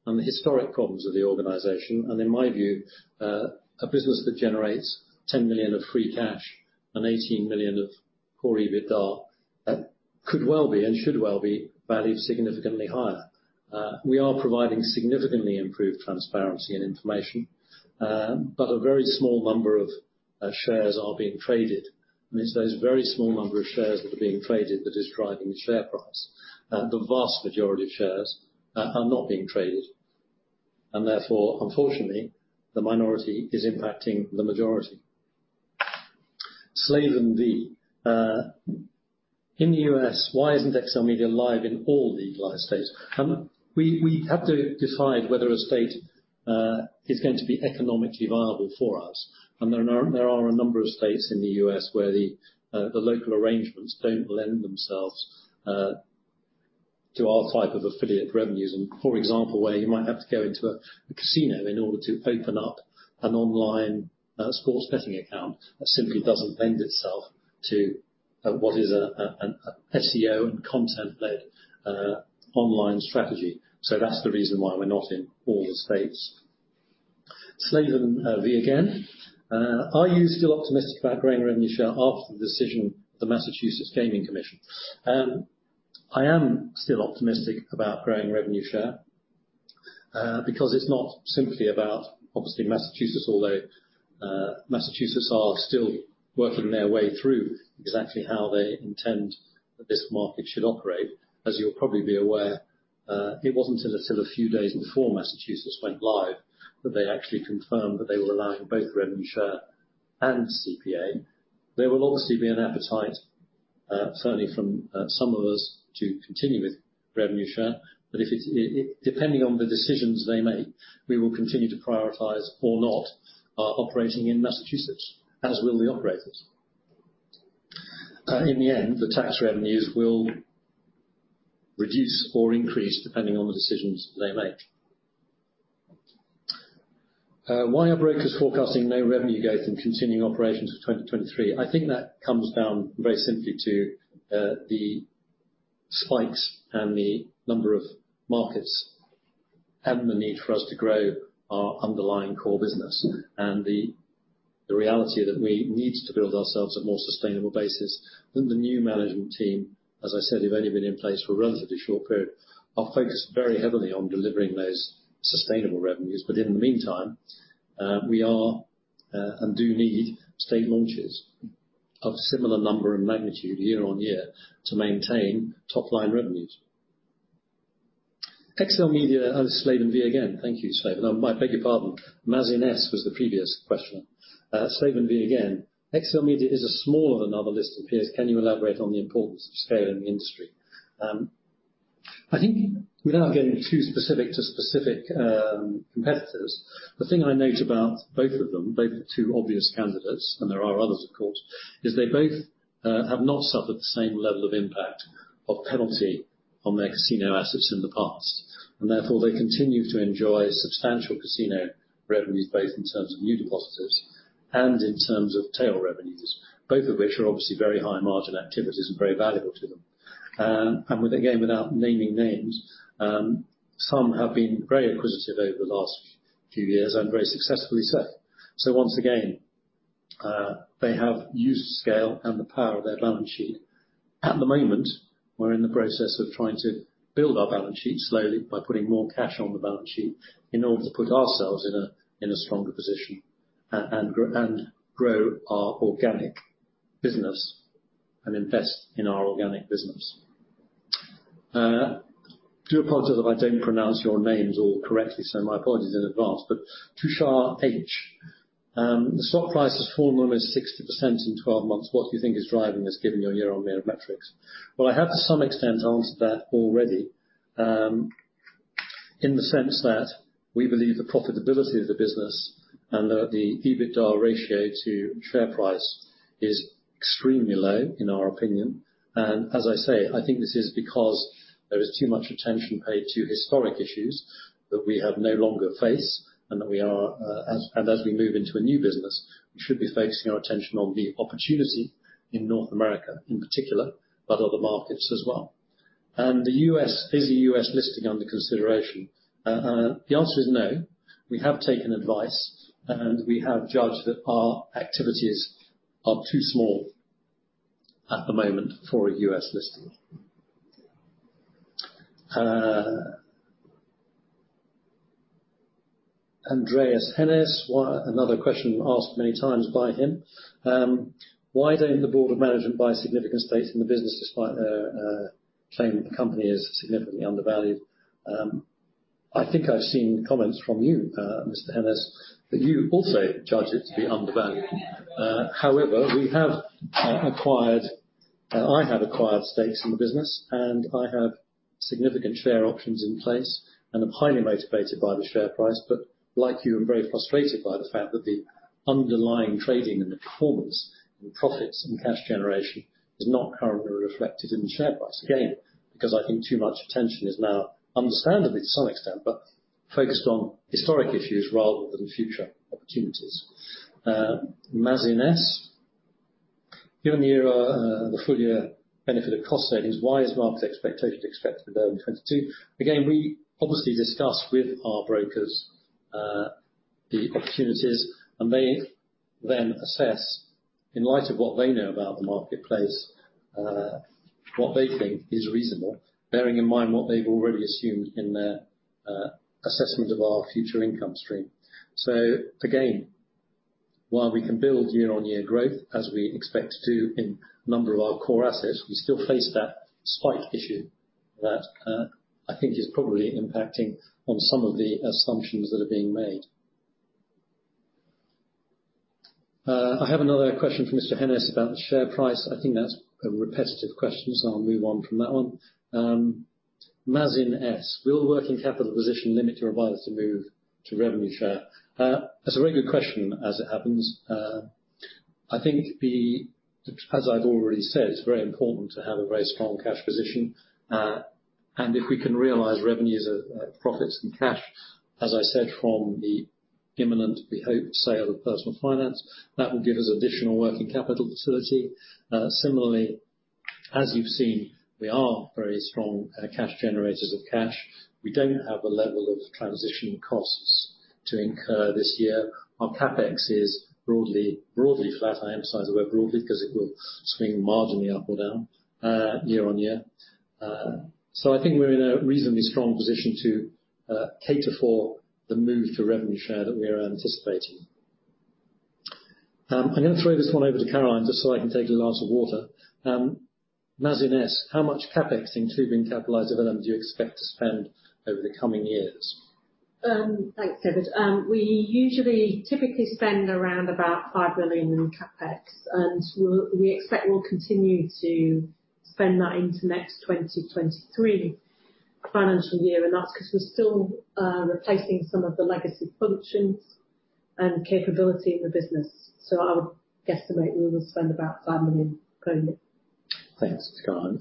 and the historic problems of the organization. And in my view, a business that generates $10 million of free cash and $18 million of core EBITDA could well be and should well be valued significantly higher. We are providing significantly improved transparency and information, but a very small number of shares are being traded. And it's those very small number of shares that are being traded that is driving the share price. The vast majority of shares are not being traded. And therefore, unfortunately, the minority is impacting the majority. Slavan V, in the U.S., why isn't XLMedia live in all legalized states? We have to decide whether a state is going to be economically viable for us. And there are a number of states in the U.S. where the local arrangements don't lend themselves to our type of affiliate revenues. And for example, where you might have to go into a casino in order to open up an online sports betting account that simply doesn't lend itself to what is an SEO and content-led online strategy. So that's the reason why we're not in all the states. Slavan V again, are you still optimistic about growing revenue share after the decision of the Massachusetts Gaming Commission? I am still optimistic about growing revenue share because it's not simply about, obviously, Massachusetts, although Massachusetts are still working their way through exactly how they intend that this market should operate. As you'll probably be aware, it wasn't until a few days before Massachusetts went live that they actually confirmed that they were allowing both revenue share and CPA. There will obviously be an appetite, certainly from some of us, to continue with revenue share. But depending on the decisions they make, we will continue to prioritize or not operating in Massachusetts, as will the operators. In the end, the tax revenues will reduce or increase depending on the decisions they make. Why are brokers forecasting no revenue growth in continuing operations for 2023? I think that comes down very simply to the spikes and the number of markets and the need for us to grow our underlying core business and the reality that we need to build ourselves a more sustainable basis. The new management team, as I said, have only been in place for a relatively short period. I'll focus very heavily on delivering those sustainable revenues. But in the meantime, we are and do need state launches of a similar number and magnitude year-on-year to maintain top-line revenues. XLMedia and Slavan V again. Thank you, Slavan. I beg your pardon. Mazin S was the previous question. Slavan V again. XLMedia is smaller than other listed peers. Can you elaborate on the importance of scaling the industry? I think without getting too specific to specific competitors, the thing I note about both of them, both the two obvious candidates, and there are others, of course, is they both have not suffered the same level of impact of penalty on their casino assets in the past. And therefore, they continue to enjoy substantial casino revenues, both in terms of new deposits and in terms of tail revenues, both of which are obviously very high-margin activities and very valuable to them. And again, without naming names, some have been very acquisitive over the last few years and very successfully so. So once again, they have used scale and the power of their balance sheet. At the moment, we're in the process of trying to build our balance sheet slowly by putting more cash on the balance sheet in order to put ourselves in a stronger position and grow our organic business and invest in our organic business. I do apologize if I don't pronounce your names all correctly, so my apologies in advance. But Tushar H, the stock price has fallen almost 60% in 12 months. What do you think is driving this, given your year-on-year metrics? Well, I have, to some extent, answered that already in the sense that we believe the profitability of the business and the EBITDA ratio to share price is extremely low, in our opinion. And as I say, I think this is because there is too much attention paid to historic issues that we have no longer faced and that we are, and as we move into a new business, we should be focusing our attention on the opportunity in North America in particular, but other markets as well. Is the U.S. listing under consideration? The answer is no. We have taken advice, and we have judged that our activities are too small at the moment for a U.S. listing. Andreas Hennes, another question asked many times by him. Why don't the board of management buy significant stakes in the business despite their claim that the company is significantly undervalued? I think I've seen comments from you, Mr. Hennes, that you also judge it to be undervalued. However, we have acquired, I have acquired stakes in the business, and I have significant share options in place, and I'm highly motivated by the share price, but like you, I'm very frustrated by the fact that the underlying trading and the performance and profits and cash generation is not currently reflected in the share price. Again, because I think too much attention is now, understandably to some extent, but focused on historic issues rather than future opportunities. Mazin S, given the full-year benefit of cost savings, why is market expectation expected to be low in 2022? Again, we obviously discuss with our brokers the opportunities, and they then assess, in light of what they know about the marketplace, what they think is reasonable, bearing in mind what they've already assumed in their assessment of our future income stream. Again, while we can build year-over-year growth as we expect to in a number of our core assets, we still face that spike issue that I think is probably impacting on some of the assumptions that are being made. I have another question from Mr. Hennes about the share price. I think that's a repetitive question, so I'll move on from that one. Mazin S, will working capital position limit your ability to move to revenue share? That's a very good question, as it happens. I think, as I've already said, it's very important to have a very strong cash position. And if we can realize revenues of profits and cash, as I said, from the imminent, we hope, sale of Personal Finance, that will give us additional working capital facility. Similarly, as you've seen, we are very strong cash generators of cash. We don't have a level of transition costs to incur this year. Our CapEx is broadly flat. I emphasize the word broadly because it will swing marginally up or down year-on-year, so I think we're in a reasonably strong position to cater for the move to revenue share that we are anticipating. I'm going to throw this one over to Caroline just so I can take a glass of water. Mazin S, how much CapEx, including capitalized development, do you expect to spend over the coming years? Thanks, David. We typically spend around about $5 million in CapEx, and we expect we'll continue to spend that into next 2023 financial year, and that's because we're still replacing some of the legacy functions and capability in the business, so I would guesstimate we will spend about $5 million only. Thanks, Caroline.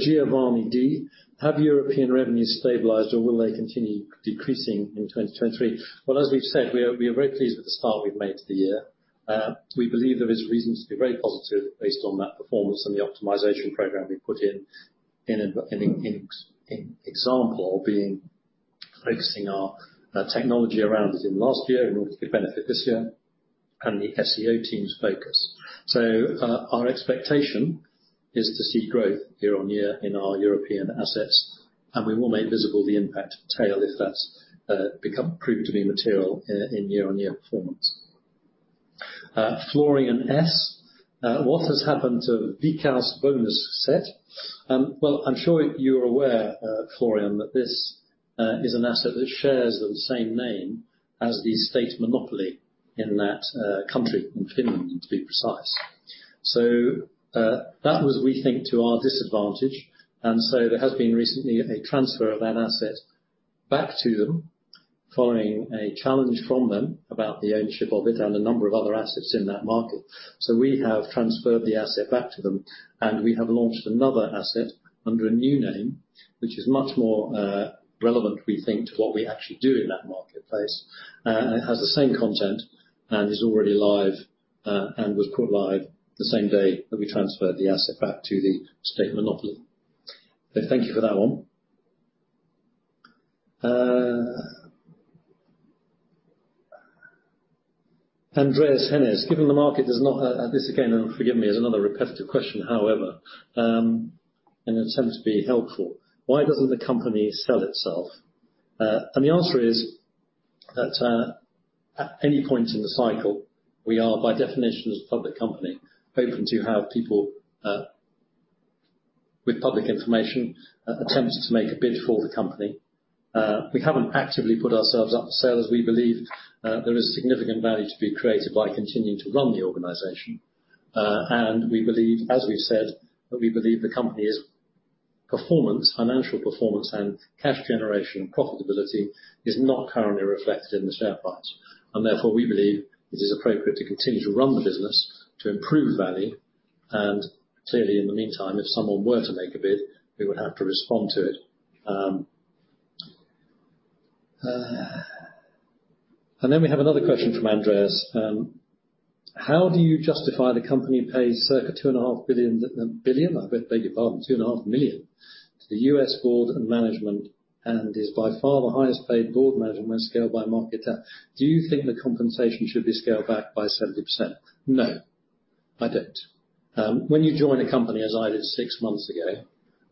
Giovanni D, have European revenues stabilized, or will they continue decreasing in 2023? Well, as we've said, we are very pleased with the start we've made to the year. We believe there is reason to be very positive based on that performance and the optimization program we put in, in example of being focusing our technology around it in last year in order to benefit this year and the SEO team's focus. Our expectation is to see growth year-on-year in our European assets, and we will make visible the impact tail if that's proved to be material in year-on-year performance. Florian S, what has happened to Veikkausbonukset? Well, I'm sure you're aware, Florian, that this is an asset that shares the same name as the state monopoly in that country, in Finland, to be precise. So that was, we think, to our disadvantage. And so there has been recently a transfer of that asset back to them following a challenge from them about the ownership of it and a number of other assets in that market. So we have transferred the asset back to them, and we have launched another asset under a new name, which is much more relevant, we think, to what we actually do in that marketplace. It has the same content and is already live and was put live the same day that we transferred the asset back to the state monopoly. So thank you for that one. Andreas Hennes, given the market is not, this again, forgive me, is another repetitive question, however, and it tends to be helpful. Why doesn't the company sell itself? And the answer is that at any point in the cycle, we are, by definition, as a public company, open to have people with public information attempt to make a bid for the company. We haven't actively put ourselves up for sale as we believe there is significant value to be created by continuing to run the organization. And we believe, as we've said, that we believe the company's performance, financial performance, and cash generation and profitability is not currently reflected in the share price. And therefore, we believe it is appropriate to continue to run the business to improve value. And clearly, in the meantime, if someone were to make a bid, we would have to respond to it. And then we have another question from Andreas. How do you justify the company pays circa $2.5 billion, I beg your pardon, $2.5 million to the U.S. board and management and is by far the highest paid board management when scaled by market? Do you think the compensation should be scaled back by 70%? No, I don't. When you join a company, as I did six months ago,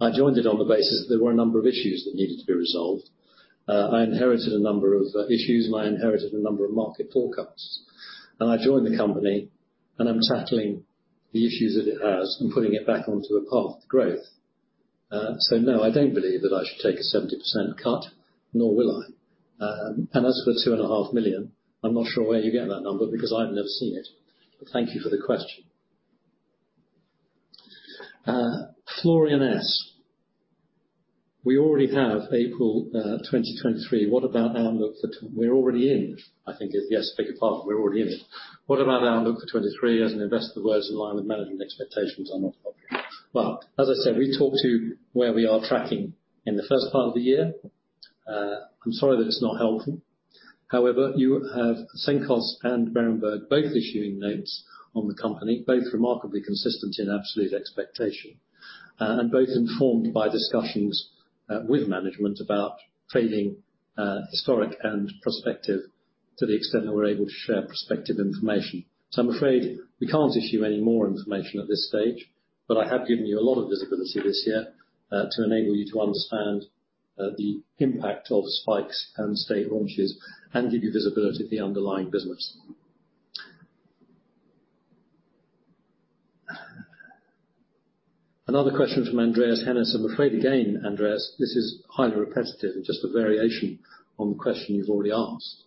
I joined it on the basis that there were a number of issues that needed to be resolved. I inherited a number of issues, and I inherited a number of market forecasts and I joined the company, and I'm tackling the issues that it has and putting it back onto a path to growth, so no, I don't believe that I should take a 70% cut, nor will I, and as for the $2.5 million, I'm not sure where you get that number because I've never seen it. But thank you for the question, Florian S. We already have April 2023. What about outlook for? We're already in, I think, if yes, big apart. We're already in it. What about outlook for 2023 as an investor? The words in line with management expectations are not popular. Well, as I said, we talked to where we are tracking in the first part of the year. I'm sorry that it's not helpful. However, you have Cenkos and Berenberg both issuing notes on the company, both remarkably consistent in absolute expectation, and both informed by discussions with management about trading historic and prospective to the extent that we're able to share prospective information. So I'm afraid we can't issue any more information at this stage, but I have given you a lot of visibility this year to enable you to understand the impact of spikes and state launches and give you visibility of the underlying business. Another question from Andreas Hennes. I'm afraid, again, Andreas, this is highly repetitive and just a variation on the question you've already asked.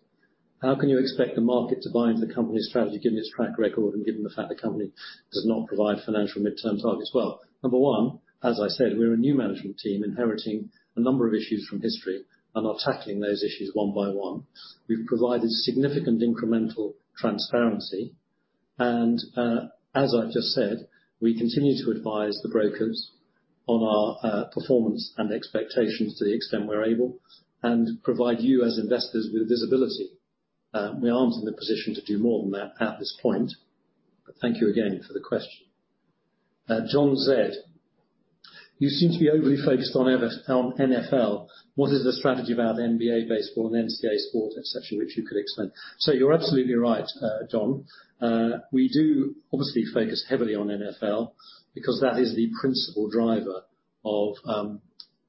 How can you expect the market to buy into the company's strategy given its track record and given the fact the company does not provide financial midterm targets? Well, number one, as I said, we're a new management team inheriting a number of issues from history and are tackling those issues one by one. We've provided significant incremental transparency. As I've just said, we continue to advise the brokers on our performance and expectations to the extent we're able and provide you as investors with visibility. We aren't in the position to do more than that at this point. But thank you again for the question. John Z, you seem to be overly focused on NFL. What is the strategy about NBA, baseball and NCAA sport, etc., which you could explain? So you're absolutely right, John. We do obviously focus heavily on NFL because that is the principal driver of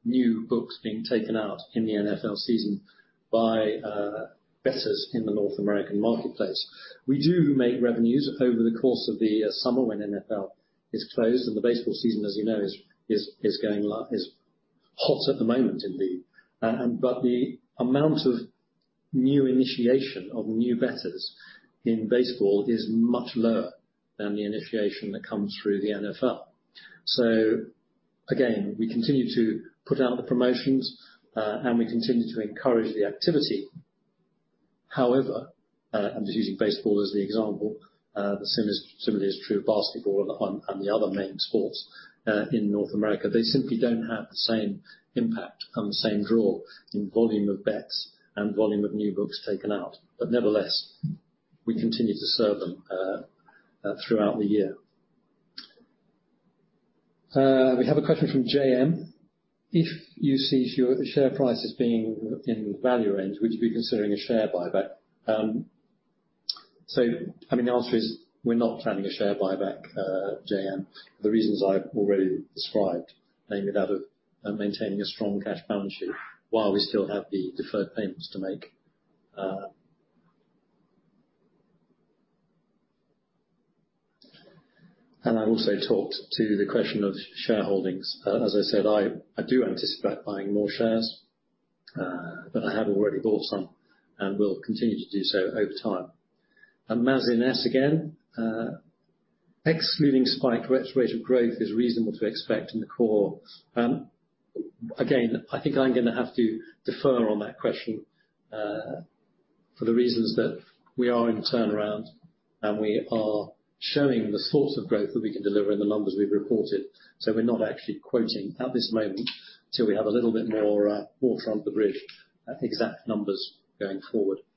new books being taken out in the NFL season by bettors in the North American marketplace. We do make revenues over the course of the summer when NFL is closed, and the baseball season, as you know, is hot at the moment, indeed. But the amount of new initiation of new bettors in baseball is much lower than the initiation that comes through the NFL. So again, we continue to put out the promotions, and we continue to encourage the activity. However, I'm just using baseball as the example. The same is similarly true of basketball and the other main sports in North America. They simply don't have the same impact and the same draw in volume of bets and volume of new books taken out. But nevertheless, we continue to serve them throughout the year. We have a question from JM. If you see share prices being in the value range, would you be considering a share buyback? So, I mean, the answer is we're not planning a share buyback, JM, for the reasons I've already described, namely that of maintaining a strong cash balance sheet while we still have the deferred payments to make. And I've also talked to the question of shareholdings. As I said, I do anticipate buying more shares, but I have already bought some and will continue to do so over time. Mazin S, again, excluding spike, rate of growth is reasonable to expect in the core. Again, I think I'm going to have to defer on that question for the reasons that we are in turnaround and we are showing the sorts of growth that we can deliver in the numbers we've reported. So we're not actually quoting at this moment until we have a little bit more water under the bridge, exact numbers going forward. There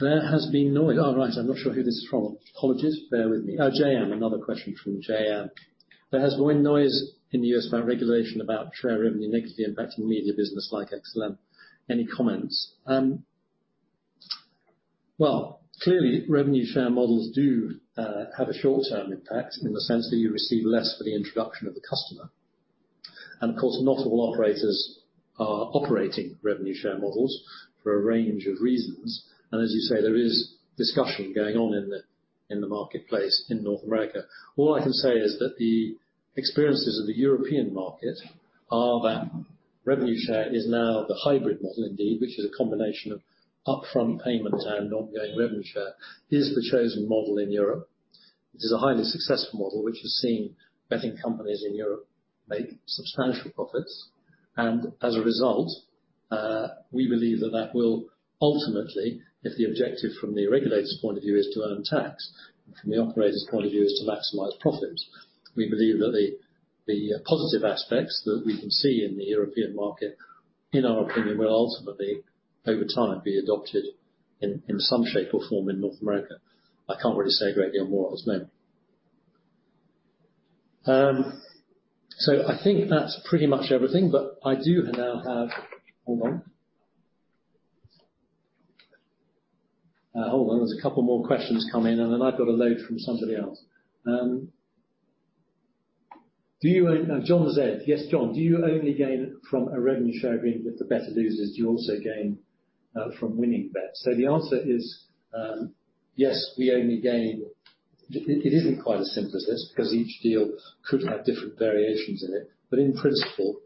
has been noise. Oh, right. I'm not sure who this is from. Apologies. Bear with me. Oh, JM, another question from JM. There has been noise in the U.S. about regulation about revenue share negatively impacting media business like XLM. Any comments? Well, clearly, revenue share models do have a short-term impact in the sense that you receive less for the introduction of the customer. And of course, not all operators are operating revenue share models for a range of reasons. And as you say, there is discussion going on in the marketplace in North America. All I can say is that the experiences of the European market are that revenue share is now the hybrid model indeed, which is a combination of upfront payment and ongoing revenue share, is the chosen model in Europe. It is a highly successful model, which has seen betting companies in Europe make substantial profits. As a result, we believe that will ultimately, if the objective from the regulator's point of view is to earn tax, from the operator's point of view is to maximize profits, we believe that the positive aspects that we can see in the European market, in our opinion, will ultimately, over time, be adopted in some shape or form in North America. I can't really say a great deal more on its name. So I think that's pretty much everything, but I do now have. Hold on. Hold on. There's a couple more questions come in, and then I've got a load from somebody else. John Z, yes, John, do you only gain from a revenue share agreement with the bettor losers? Do you also gain from winning bets? So the answer is yes, we only gain. It isn't quite as simple as this because each deal could have different variations in it. But in principle,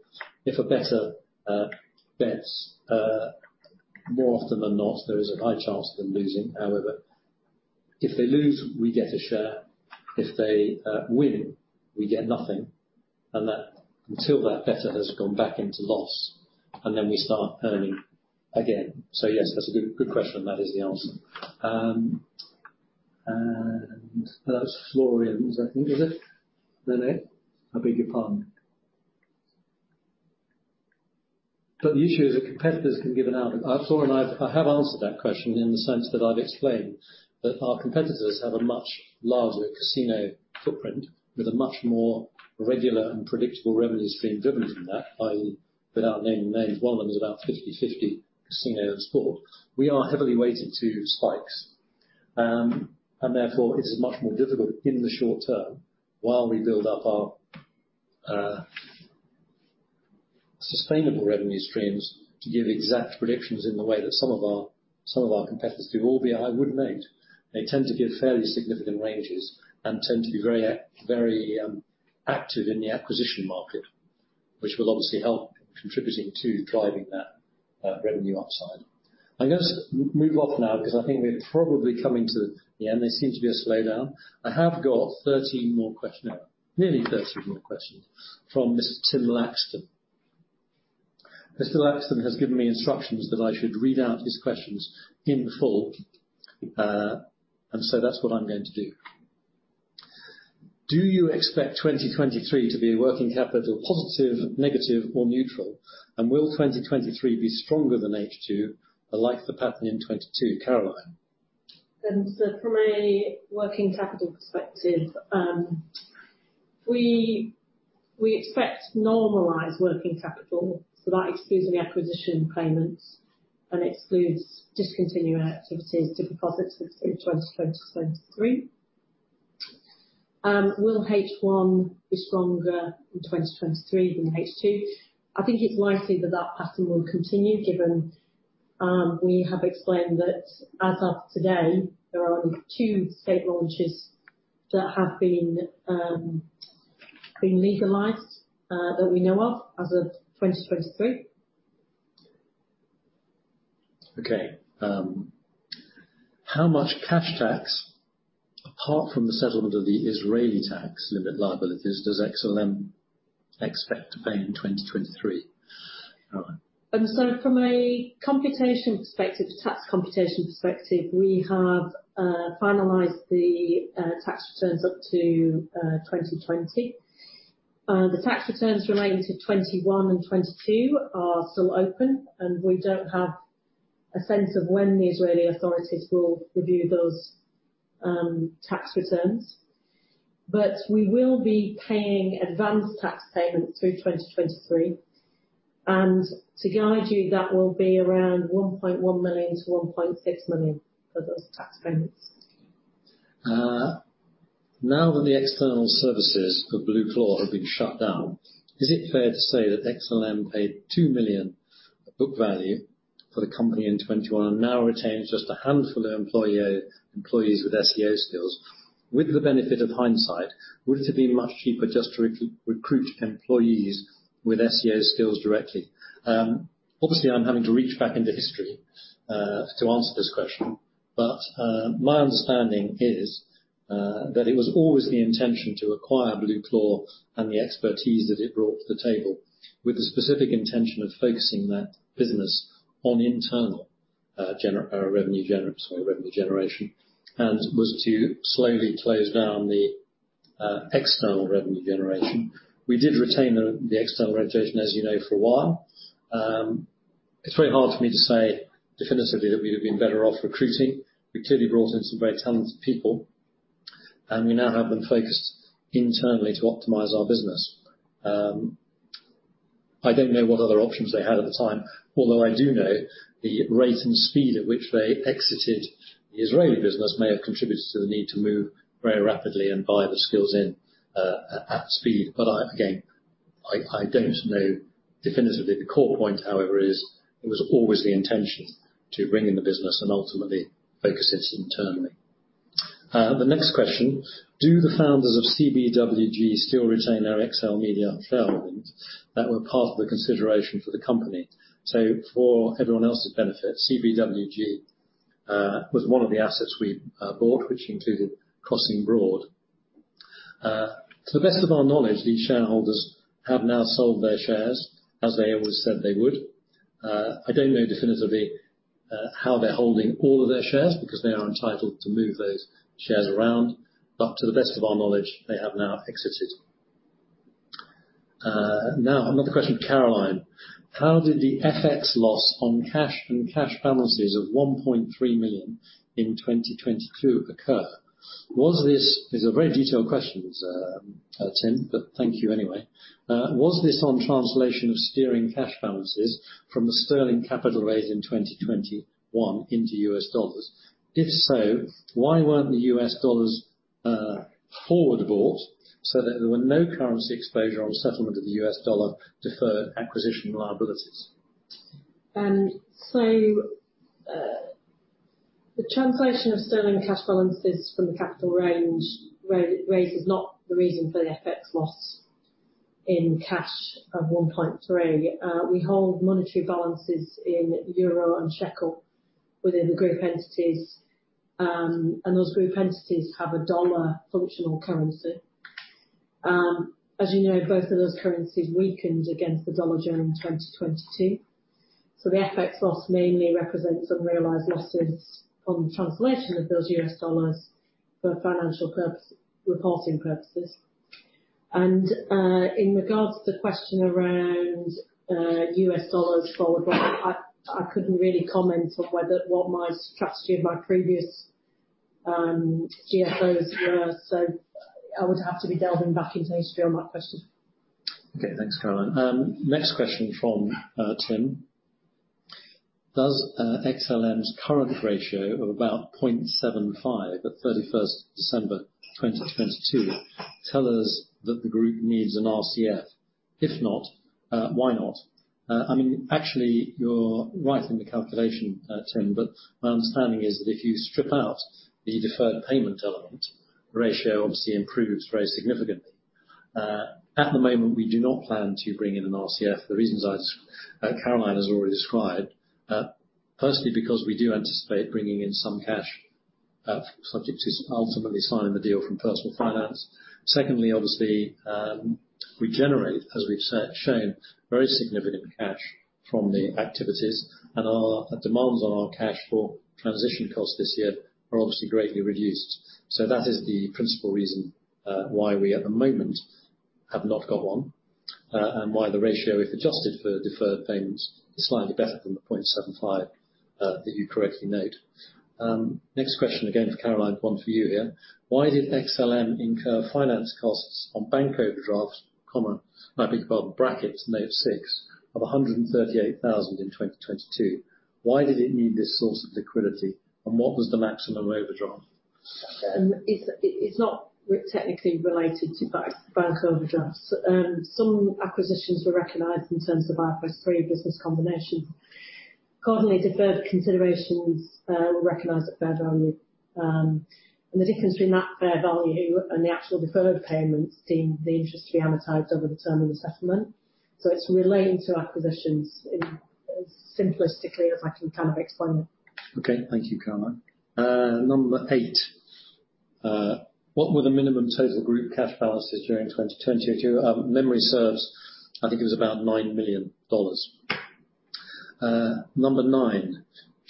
if a bettor bets, more often than not, there is a high chance of them losing. However, if they lose, we get a share. If they win, we get nothing. And until that bettor has gone back into loss, and then we start earning again. So yes, that's a good question, and that is the answer. And that was Florian's, I think, was it? No, no, I beg your pardon. But the issue is that competitors can give an outlook. I have answered that question in the sense that I've explained that our competitors have a much larger casino footprint with a much more regular and predictable revenue stream driven from that, i.e., without naming names, one of them is about 50-50 casino and sports. We are heavily weighted to spikes, and therefore, it is much more difficult in the short term while we build up our sustainable revenue streams to give exact predictions in the way that some of our competitors do. Albeit, I would note, they tend to give fairly significant ranges and tend to be very active in the acquisition market, which will obviously help contributing to driving that revenue upside. I'm going to move off now because I think we're probably coming to the end. There seems to be a slowdown. I have got 13 more questions, nearly 13 more questions from Mr. Tim Laxton. Mr. Laxton has given me instructions that I should read out his questions in full, and so that's what I'm going to do. Do you expect 2023 to be a working capital positive, negative, or neutral? Will 2023 be stronger than H2, like the pattern in 2022? Caroline. So from a working capital perspective, we expect normalized working capital. So that excludes any acquisition payments and excludes discontinuing activities and deposits through 2023. Will H1 be stronger in 2023 than H2? I think it's likely that that pattern will continue given we have explained that as of today, there are only two state launches that have been legalized that we know of as of 2023. Okay. How much cash tax, apart from the settlement of the Israeli tax-related liabilities, does XLM expect to pay in 2023? Caroline. So from a computation perspective, tax computation perspective, we have finalized the tax returns up to 2020. The tax returns remaining to 2021 and 2022 are still open, and we don't have a sense of when the Israeli authorities will review those tax returns. But we will be paying advanced tax payments through 2023. And to guide you, that will be around $1.1 million-$1.6 million for those tax payments. Now that the external services for BlueClaw have been shut down, is it fair to say that XLM paid $2 million book value for the company in 2021 and now retains just a handful of employees with SEO skills? With the benefit of hindsight, would it have been much cheaper just to recruit employees with SEO skills directly? Obviously, I'm having to reach back into history to answer this question, but my understanding is that it was always the intention to acquire BlueClaw and the expertise that it brought to the table with the specific intention of focusing that business on internal revenue generation and was to slowly close down the external revenue generation. We did retain the external regulation, as you know, for a while. It's very hard for me to say definitively that we would have been better off recruiting. We clearly brought in some very talented people, and we now have them focused internally to optimize our business. I don't know what other options they had at the time, although I do know the rate and speed at which they exited the Israeli business may have contributed to the need to move very rapidly and buy the skills in at speed. But again, I don't know definitively. The core point, however, is it was always the intention to bring in the business and ultimately focus it internally. The next question, do the founders of CBWG still retain their XLMedia shareholdings that were part of the consideration for the company? For everyone else's benefit, CBWG was one of the assets we bought, which included Crossing Broad. To the best of our knowledge, these shareholders have now sold their shares as they always said they would. I don't know definitively how they're holding all of their shares because they are entitled to move those shares around. But to the best of our knowledge, they have now exited. Now, another question, Caroline. How did the FX loss on cash and cash balances of 1.3 million in 2022 occur? This is a very detailed question, Tim, but thank you anyway. Was this on translation of sterling cash balances from the sterling capital raised in 2021 into U.S. dollars? If so, why weren't the U.S.. dollars forward bought so that there were no currency exposure on settlement of the U.S. dollar deferred acquisition liabilities? The translation of sterling cash balances from the capital raise is not the reason for the FX loss in cash of $1.3 million. We hold monetary balances in euro and shekel within the group entities, and those group entities have a dollar functional currency. As you know, both of those currencies weakened against the dollar during 2022. The FX loss mainly represents unrealized losses on translation of those U.S. dollars for financial reporting purposes. In regards to the question around U.S. dollars forward bought, I couldn't really comment on what the strategy of my previous CFOs were. I would have to be delving back into history on that question. Okay. Thanks, Caroline. Next question from Tim. Does XLM's current ratio of about 0.75 at 31 December 2022 tell us that the group needs an RCF? If not, why not? I mean, actually, you're right in the calculation, Tim, but my understanding is that if you strip out the deferred payment element, the ratio obviously improves very significantly. At the moment, we do not plan to bring in an RCF. The reasons Caroline has already described, firstly, because we do anticipate bringing in some cash subject to ultimately signing the deal from personal finance. Secondly, obviously, we generate, as we've shown, very significant cash from the activities, and our demands on our cash for transition costs this year are obviously greatly reduced. So that is the principal reason why we at the moment have not got one and why the ratio, if adjusted for deferred payments, is slightly better than the 0.75 that you correctly note. Next question, again, for Caroline, one for you here. Why did XLM incur finance costs on bank overdrafts, might be called brackets, note 6, of $138,000 in 2022? Why did it need this source of liquidity, and what was the maximum overdraft? It's not technically related to bank overdrafts. Some acquisitions were recognized in terms of IFRS 3 business combinations. Accordingly, deferred considerations were recognized at fair value. And the difference between that fair value and the actual deferred payments deemed the interest to be amortized over the term of the settlement. So it's relating to acquisitions as simplistically as I can kind of explain it. Okay. Thank you, Caroline. Number eight, what were the minimum total group cash balances during 2022? Memory serves, I think it was about $9 million. Number nine,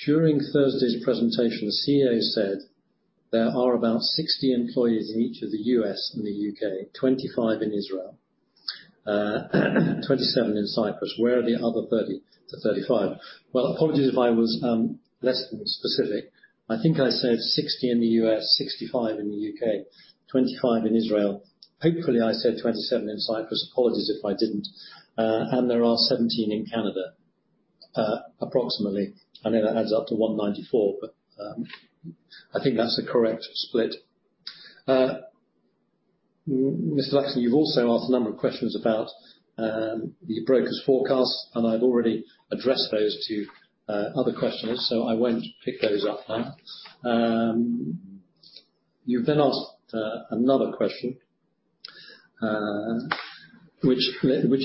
during Thursday's presentation, the CEO said there are about 60 employees in each of the U.S. and the U.K., 25 in Israel, 27 in Cyprus. Where are the other 30-35? Well, apologies if I was less than specific. I think I said 60 in the U.S., 65 in the U.K., 25 in Israel. Hopefully, I said 27 in Cyprus. Apologies if I didn't, and there are 17 in Canada, approximately. I know that adds up to 194, but I think that's the correct split. Mr. Laxton, you've also asked a number of questions about the broker's forecasts, and I've already addressed those to other questioners, so I won't pick those up now. You've then asked another question, which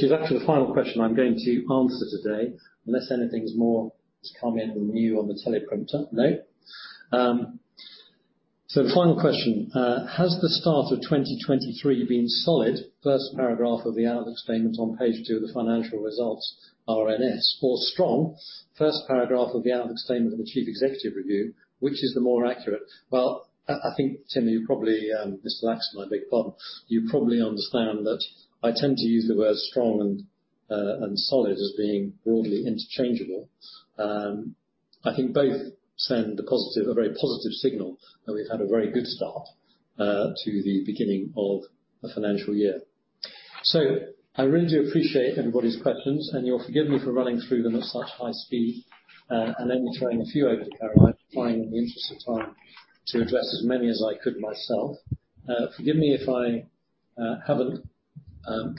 is actually the final question I'm going to answer today, unless anything's more to come in new on the teleprompter. No. So the final question: has the start of 2023 been solid, first paragraph of the outlook statement on page two of the financial results RNS, or strong, first paragraph of the outlook statement of the Chief Executive Review, which is the more accurate? Well, I think, Tim, you probably, Mr. Laxton, I beg your pardon, you probably understand that I tend to use the words strong and solid as being broadly interchangeable. I think both send a very positive signal that we've had a very good start to the beginning of a financial year. So I really do appreciate everybody's questions, and you'll forgive me for running through them at such high speed and only throwing a few over to Caroline, trying in the interest of time to address as many as I could myself. Forgive me if I haven't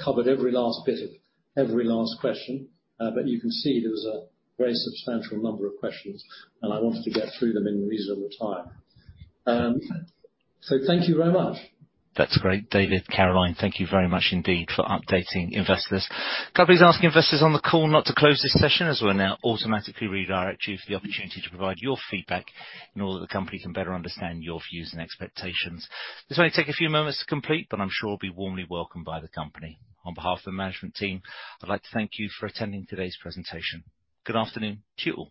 covered every last bit of every last question, but you can see there was a very substantial number of questions, and I wanted to get through them in reasonable time. So thank you very much. That's great. David, Caroline, thank you very much indeed for updating investors. Glad we ask investors on the call not to close this session as we'll now automatically redirect you for the opportunity to provide your feedback in order that the company can better understand your views and expectations. This may take a few moments to complete, but I'm sure it'll be warmly welcomed by the company. On behalf of the management team, I'd like to thank you for attending today's presentation. Good afternoon to you all.